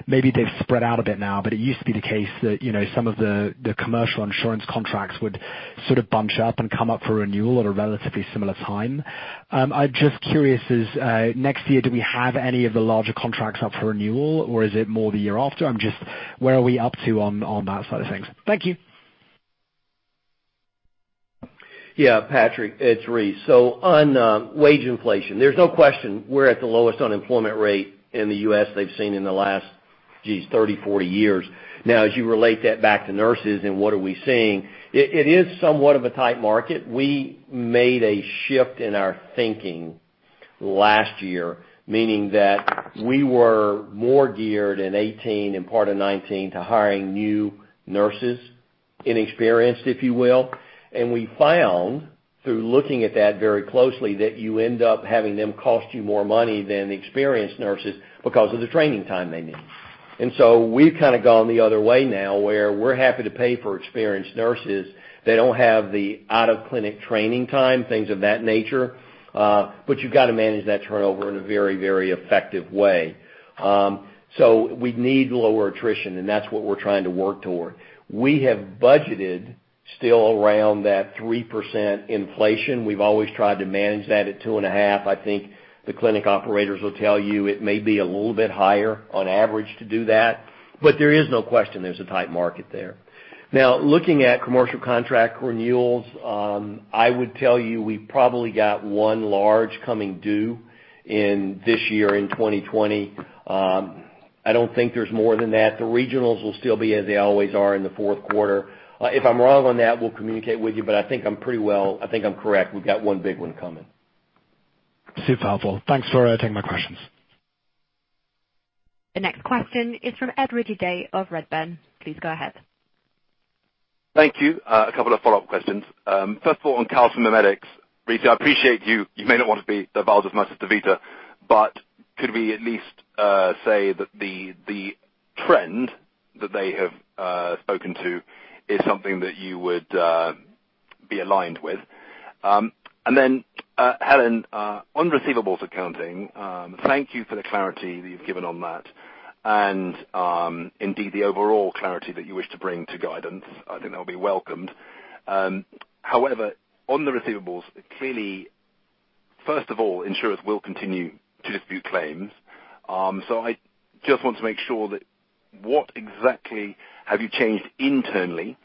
Speaker 11: maybe they've spread out a bit now, but it used to be the case that some of the commercial insurance contracts would sort of bunch up and come up for renewal at a relatively similar time. I'm just curious, as next year, do we have any of the larger contracts up for renewal, or is it more the year after? Where are we up to on that side of things? Thank you.
Speaker 3: Yeah, Patrick, it's Rice. On wage inflation, there's no question we're at the lowest unemployment rate in the U.S. they've seen in the last 30, 40 years. As you relate that back to nurses and what are we seeing, it is somewhat of a tight market. We made a shift in our thinking last year, meaning that we were more geared in 2018 and part of 2019 to hiring new nurses, inexperienced, if you will. We found through looking at that very closely, that you end up having them cost you more money than experienced nurses because of the training time they need. We've kind of gone the other way now, where we're happy to pay for experienced nurses. They don't have the out-of-clinic training time, things of that nature. You've got to manage that turnover in a very effective way. We need lower attrition, and that's what we're trying to work toward. We have budgeted still around that 3% inflation. We've always tried to manage that at 2.5%. I think the clinic operators will tell you it may be a little bit higher on average to do that, but there is no question there's a tight market there. Looking at commercial contract renewals, I would tell you we've probably got one large coming due in this year, in 2020. I don't think there's more than that. The regionals will still be as they always are in the fourth quarter. If I'm wrong on that, we'll communicate with you, but I think I'm correct. We've got one big one coming.
Speaker 11: Super helpful. Thanks for taking my questions.
Speaker 1: The next question is from Ed Ridley-Day of Redburn. Please go ahead.
Speaker 12: Thank you. A couple of follow-up questions. First of all, on calcimimetics. Rice, I appreciate you may not want to be as bold as DaVita, but could we at least say that the trend that they have spoken to is something that you would be aligned with? Then, Helen, on receivables accounting, thank you for the clarity that you've given on that and indeed the overall clarity that you wish to bring to guidance. I think that'll be welcomed. However, on the receivables, clearly, first of all, insurers will continue to dispute claims. I just want to make sure that what exactly have you changed internally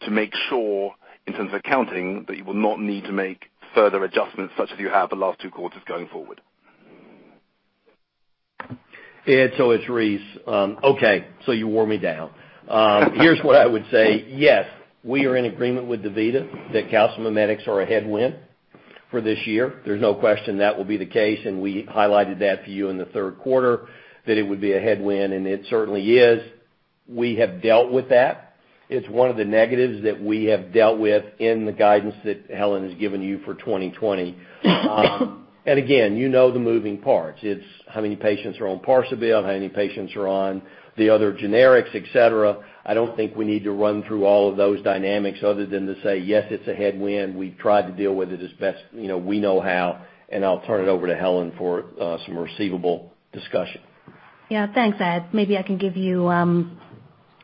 Speaker 12: to make sure, in terms of accounting, that you will not need to make further adjustments such as you have the last two quarters going forward?
Speaker 3: Ed, it's Rice. Okay, you wore me down. Here's what I would say. Yes, we are in agreement with DaVita that calcimimetics are a headwind for this year. There's no question that will be the case, and we highlighted that for you in the third quarter that it would be a headwind, and it certainly is. We have dealt with that. It's one of the negatives that we have dealt with in the guidance that Helen has given you for 2020. Again, you know the moving parts. It's how many patients are on Parsabiv, how many patients are on the other generics, et cetera. I don't think we need to run through all of those dynamics other than to say, yes, it's a headwind. We've tried to deal with it as best we know how, and I'll turn it over to Helen for some receivable discussion.
Speaker 4: Thanks, Ed. Maybe I can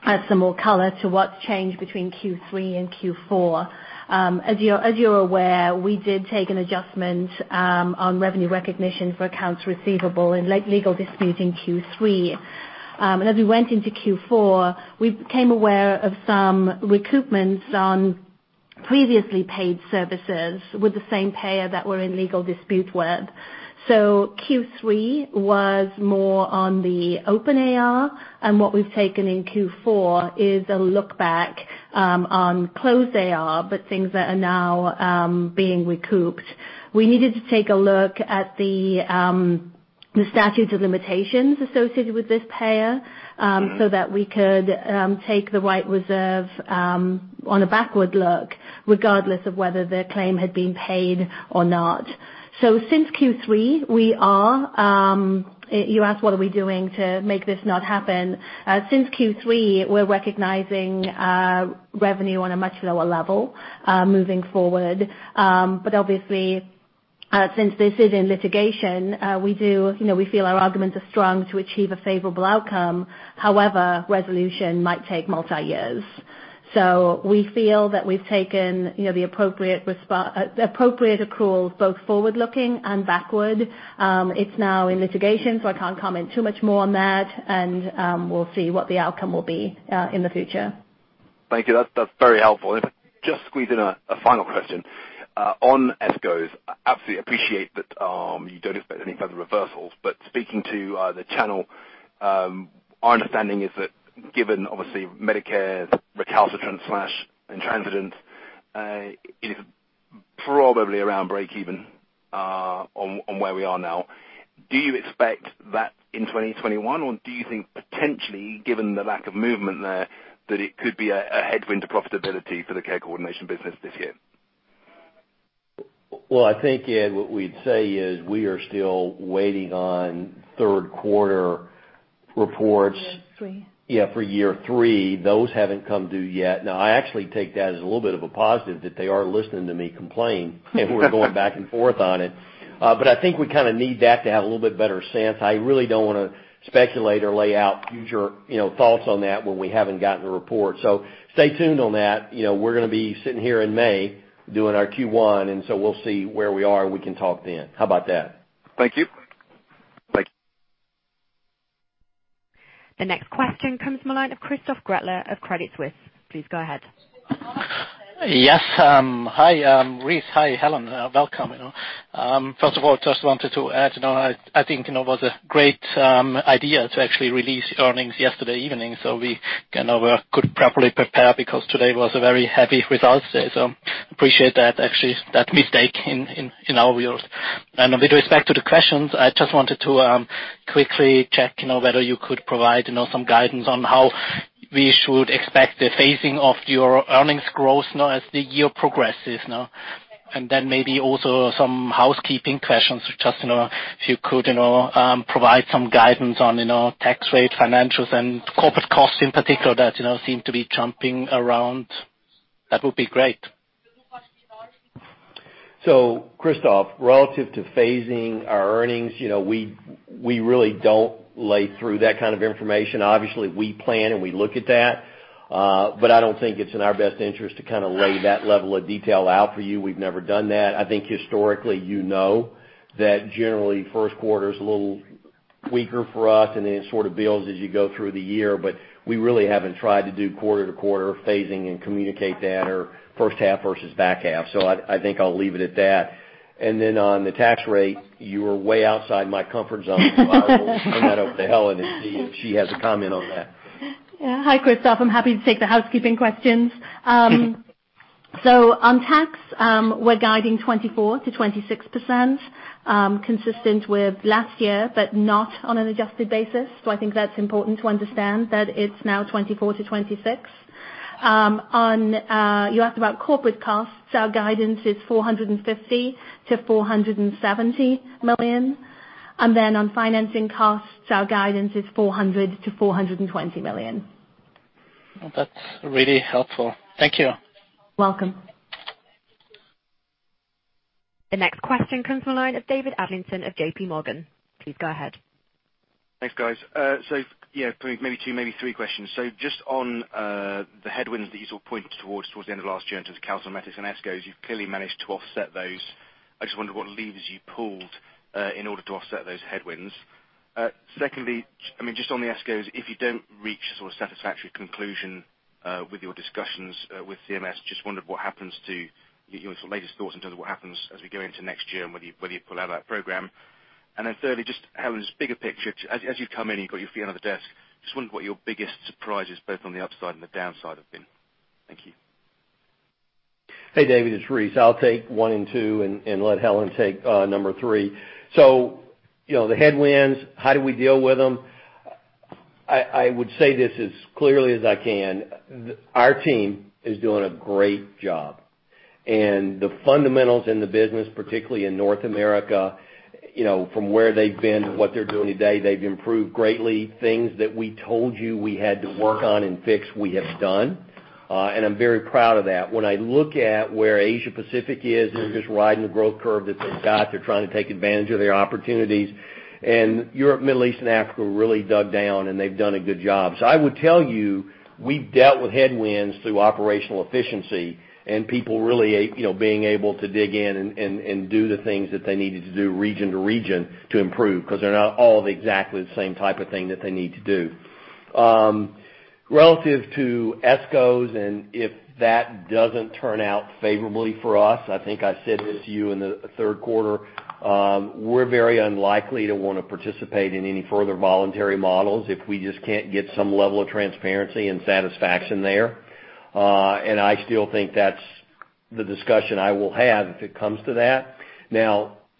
Speaker 4: add some more color to what's changed between Q3 and Q4. As you're aware, we did take an adjustment on revenue recognition for accounts receivable in legal disputes in Q3. As we went into Q4, we became aware of some recoupments on previously paid services with the same payer that we're in legal dispute with. Q3 was more on the open AR, and what we've taken in Q4 is a look back on closed AR, but things that are now being recouped. We needed to take a look at the statutes of limitations associated with this payer so that we could take the right reserve on a backward look, regardless of whether their claim had been paid or not. Since Q3, you asked what are we doing to make this not happen. Since Q3, we're recognizing revenue on a much lower level, moving forward. Obviously, since this is in litigation, we feel our arguments are strong to achieve a favorable outcome. However, resolution might take multi years. We feel that we've taken the appropriate accruals, both forward-looking and backward. It's now in litigation, so I can't comment too much more on that, and we'll see what the outcome will be in the future.
Speaker 12: Thank you. That's very helpful. If I could just squeeze in a final question. On ESCOs, I absolutely appreciate that you don't expect any type of reversals, but speaking to the channel, our understanding is that given obviously Medicare's recalcitrant/intransigent, is probably around breakeven on where we are now. Do you expect that in 2021, or do you think potentially, given the lack of movement there, that it could be a headwind to profitability for the care coordination business this year?
Speaker 3: Well, I think, Ed, what we'd say is we are still waiting on third quarter reports.
Speaker 4: Three.
Speaker 3: Yeah, for year three. Those haven't come due yet. I actually take that as a little bit of a positive that they are listening to me complain and we're going back and forth on it. I think we kind of need that to have a little bit better sense. I really don't want to speculate or lay out future thoughts on that when we haven't gotten a report. Stay tuned on that. We're going to be sitting here in May doing our Q1, we'll see where we are, and we can talk then. How about that?
Speaker 12: Thank you. Thank you.
Speaker 1: The next question comes from the line of Christoph Gretler of Credit Suisse. Please go ahead.
Speaker 13: Yes. Hi, Rice. Hi, Helen. Welcome. First of all, just wanted to add, I think it was a great idea to actually release earnings yesterday evening so we could properly prepare because today was a very heavy results day. Appreciate that, actually, that mistake in our views. With respect to the questions, I just wanted to quickly check whether you could provide some guidance on how we should expect the phasing of your earnings growth as the year progresses. Maybe also some housekeeping questions, just if you could provide some guidance on tax rate financials and corporate costs in particular that seem to be jumping around. That would be great.
Speaker 3: Christoph, relative to phasing our earnings, we really don't lay through that kind of information. Obviously, we plan, and we look at that, but I don't think it's in our best interest to lay that level of detail out for you. We've never done that. I think historically you know that generally first quarter's a little weaker for us, and then it sort of builds as you go through the year. We really haven't tried to do quarter to quarter phasing and communicate that or first half versus back half. I think I'll leave it at that. On the tax rate, you are way outside my comfort zone, so I will turn that over to Helen and see if she has a comment on that.
Speaker 4: Hi, Christoph. I'm happy to take the housekeeping questions. On tax, we're guiding 24%-26%, consistent with last year, but not on an adjusted basis. I think that's important to understand that it's now 24%-26%. You asked about corporate costs. Our guidance is 450 million-470 million. On financing costs, our guidance is 400 million-420 million.
Speaker 13: That's really helpful. Thank you.
Speaker 4: Welcome.
Speaker 1: The next question comes from the line of David Adlington of JPMorgan. Please go ahead.
Speaker 14: Thanks, guys. Yeah, maybe two, maybe three questions. Just on the headwinds that you sort of pointed towards the end of last year in terms of calcimimetics and ESCOs, you've clearly managed to offset those. I just wonder what levers you pulled in order to offset those headwinds. Secondly, just on the ESCOs, if you don't reach sort of satisfactory conclusion with your discussions with CMS, just wondered what happens to your sort of latest thoughts in terms of what happens as we go into next year and whether you pull out that program. Thirdly, just Helen, just bigger picture, as you've come in, you've got your feet under the desk, just wonder what your biggest surprises, both on the upside and the downside, have been. Thank you.
Speaker 3: Hey, David, it's Rice. I'll take one and two and let Helen take number three. The headwinds, how do we deal with them? I would say this as clearly as I can. Our team is doing a great job. The fundamentals in the business, particularly in North America, from where they've been and what they're doing today, they've improved greatly. Things that we told you we had to work on and fix, we have done. I'm very proud of that. When I look at where Asia Pacific is, they're just riding the growth curve that they've got. They're trying to take advantage of their opportunities. Europe, Middle East, and Africa really dug down and they've done a good job. I would tell you, we've dealt with headwinds through operational efficiency and people really being able to dig in and do the things that they needed to do region to region to improve, because they're not all the exactly the same type of thing that they need to do. Relative to ESCOs and if that doesn't turn out favorably for us, I think I said this to you in the third quarter, we're very unlikely to want to participate in any further voluntary models if we just can't get some level of transparency and satisfaction there. I still think that's the discussion I will have if it comes to that.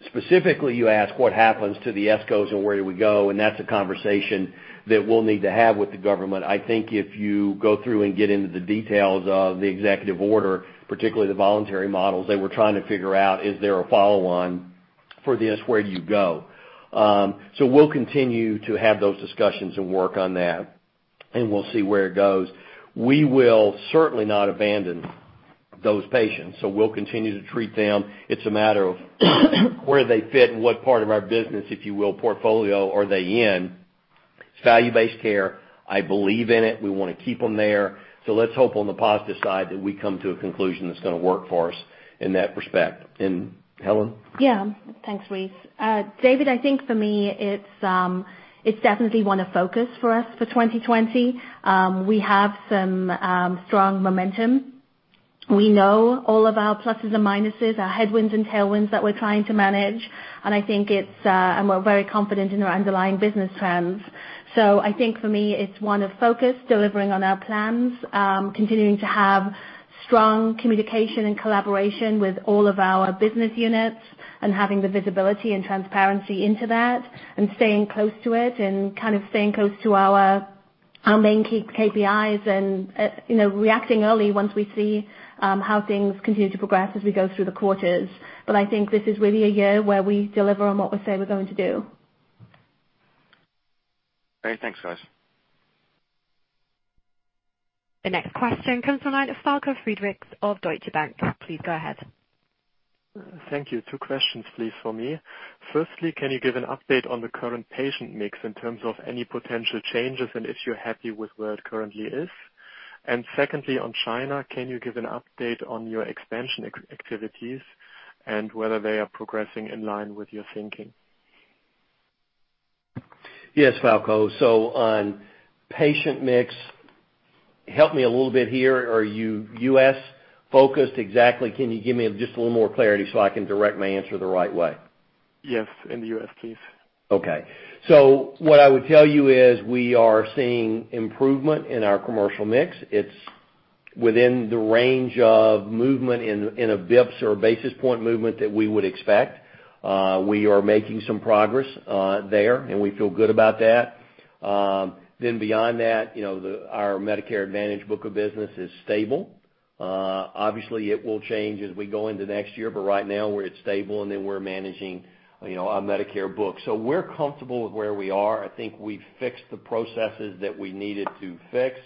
Speaker 3: Specifically, you asked what happens to the ESCOs and where do we go, and that's a conversation that we'll need to have with the government. I think if you go through and get into the details of the executive order, particularly the voluntary models, they were trying to figure out, is there a follow-on for this? Where do you go? We'll continue to have those discussions and work on that, and we'll see where it goes. We will certainly not abandon those patients, so we'll continue to treat them. It's a matter of where they fit and what part of our business, if you will, portfolio are they in. It's value-based care. I believe in it. We want to keep them there. Let's hope on the positive side that we come to a conclusion that's going to work for us in that respect. Helen?
Speaker 4: Thanks, Rice. David, I think for me, it's definitely one of focus for us for 2020. We have some strong momentum. We know all of our pluses and minuses, our headwinds and tailwinds that we're trying to manage, and we're very confident in our underlying business plans. I think for me, it's one of focus, delivering on our plans, continuing to have strong communication and collaboration with all of our business units, and having the visibility and transparency into that, and staying close to it and kind of staying close to our main KPIs and reacting early once we see how things continue to progress as we go through the quarters. I think this is really a year where we deliver on what we say we're going to do.
Speaker 14: Great. Thanks, guys.
Speaker 1: The next question comes from the line of Falko Friedrichs of Deutsche Bank. Please go ahead.
Speaker 15: Thank you. Two questions, please, from me. Firstly, can you give an update on the current patient mix in terms of any potential changes and if you're happy with where it currently is? Secondly, on China, can you give an update on your expansion activities and whether they are progressing in line with your thinking?
Speaker 3: Yes, Falko. On patient mix, help me a little bit here. Are you U.S.-focused exactly? Can you give me just a little more clarity so I can direct my answer the right way?
Speaker 15: Yes. In the U.S., please.
Speaker 3: Okay. What I would tell you is we are seeing improvement in our commercial mix. It's within the range of movement in a basis points or a basis point movement that we would expect. We are making some progress there, and we feel good about that. Beyond that, our Medicare Advantage book of business is stable. Obviously, it will change as we go into next year, but right now it's stable, and then we're managing our Medicare book. We're comfortable with where we are. I think we've fixed the processes that we needed to fix,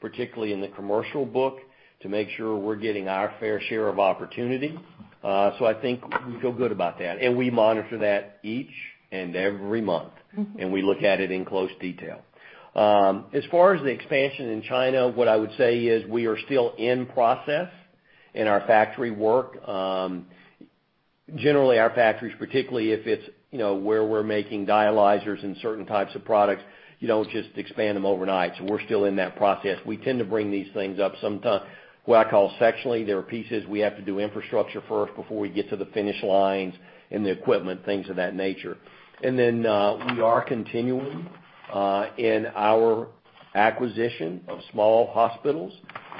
Speaker 3: particularly in the commercial book, to make sure we're getting our fair share of opportunity. I think we feel good about that. We monitor that each and every month. We look at it in close detail. As far as the expansion in China, what I would say is we are still in process in our factory work. Generally, our factories, particularly if it's where we're making dialyzers and certain types of products, you don't just expand them overnight. We're still in that process. We tend to bring these things up sometime, what I call sectionally. There are pieces we have to do infrastructure first before we get to the finish lines and the equipment, things of that nature. Then, we are continuing, in our acquisition of small hospitals,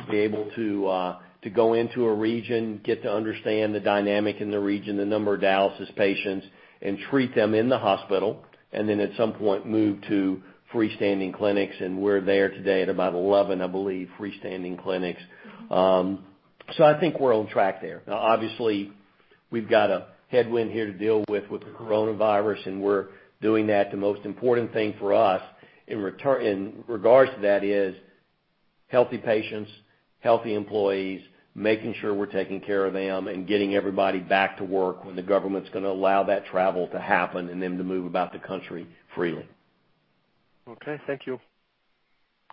Speaker 3: to be able to go into a region, get to understand the dynamic in the region, the number of dialysis patients, and treat them in the hospital, and then at some point move to freestanding clinics, and we're there today at about 11, I believe, freestanding clinics. I think we're on track there. Now, obviously, we've got a headwind here to deal with the coronavirus, and we're doing that. The most important thing for us in regards to that is healthy patients, healthy employees, making sure we're taking care of them, and getting everybody back to work when the government's going to allow that travel to happen, and then to move about the country freely.
Speaker 15: Okay. Thank you.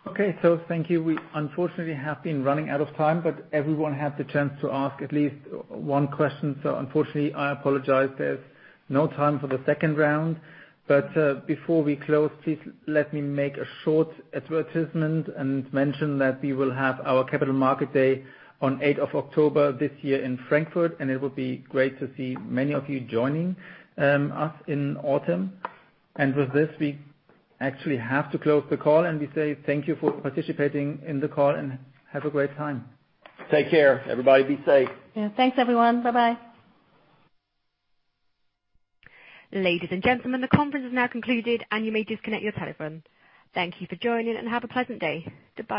Speaker 2: Okay. Thank you. We unfortunately have been running out of time, but everyone had the chance to ask at least one question. Unfortunately, I apologize, there is no time for the second round. Before we close, please let me make a short advertisement and mention that we will have our capital market day on 8th of October this year in Frankfurt, and it would be great to see many of you joining us in autumn. With this, we actually have to close the call, and we say thank you for participating in the call and have a great time.
Speaker 3: Take care, everybody. Be safe.
Speaker 4: Yeah. Thanks, everyone. Bye-bye.
Speaker 1: Ladies and gentlemen, the conference is now concluded and you may disconnect your telephone. Thank you for joining and have a pleasant day. Goodbye.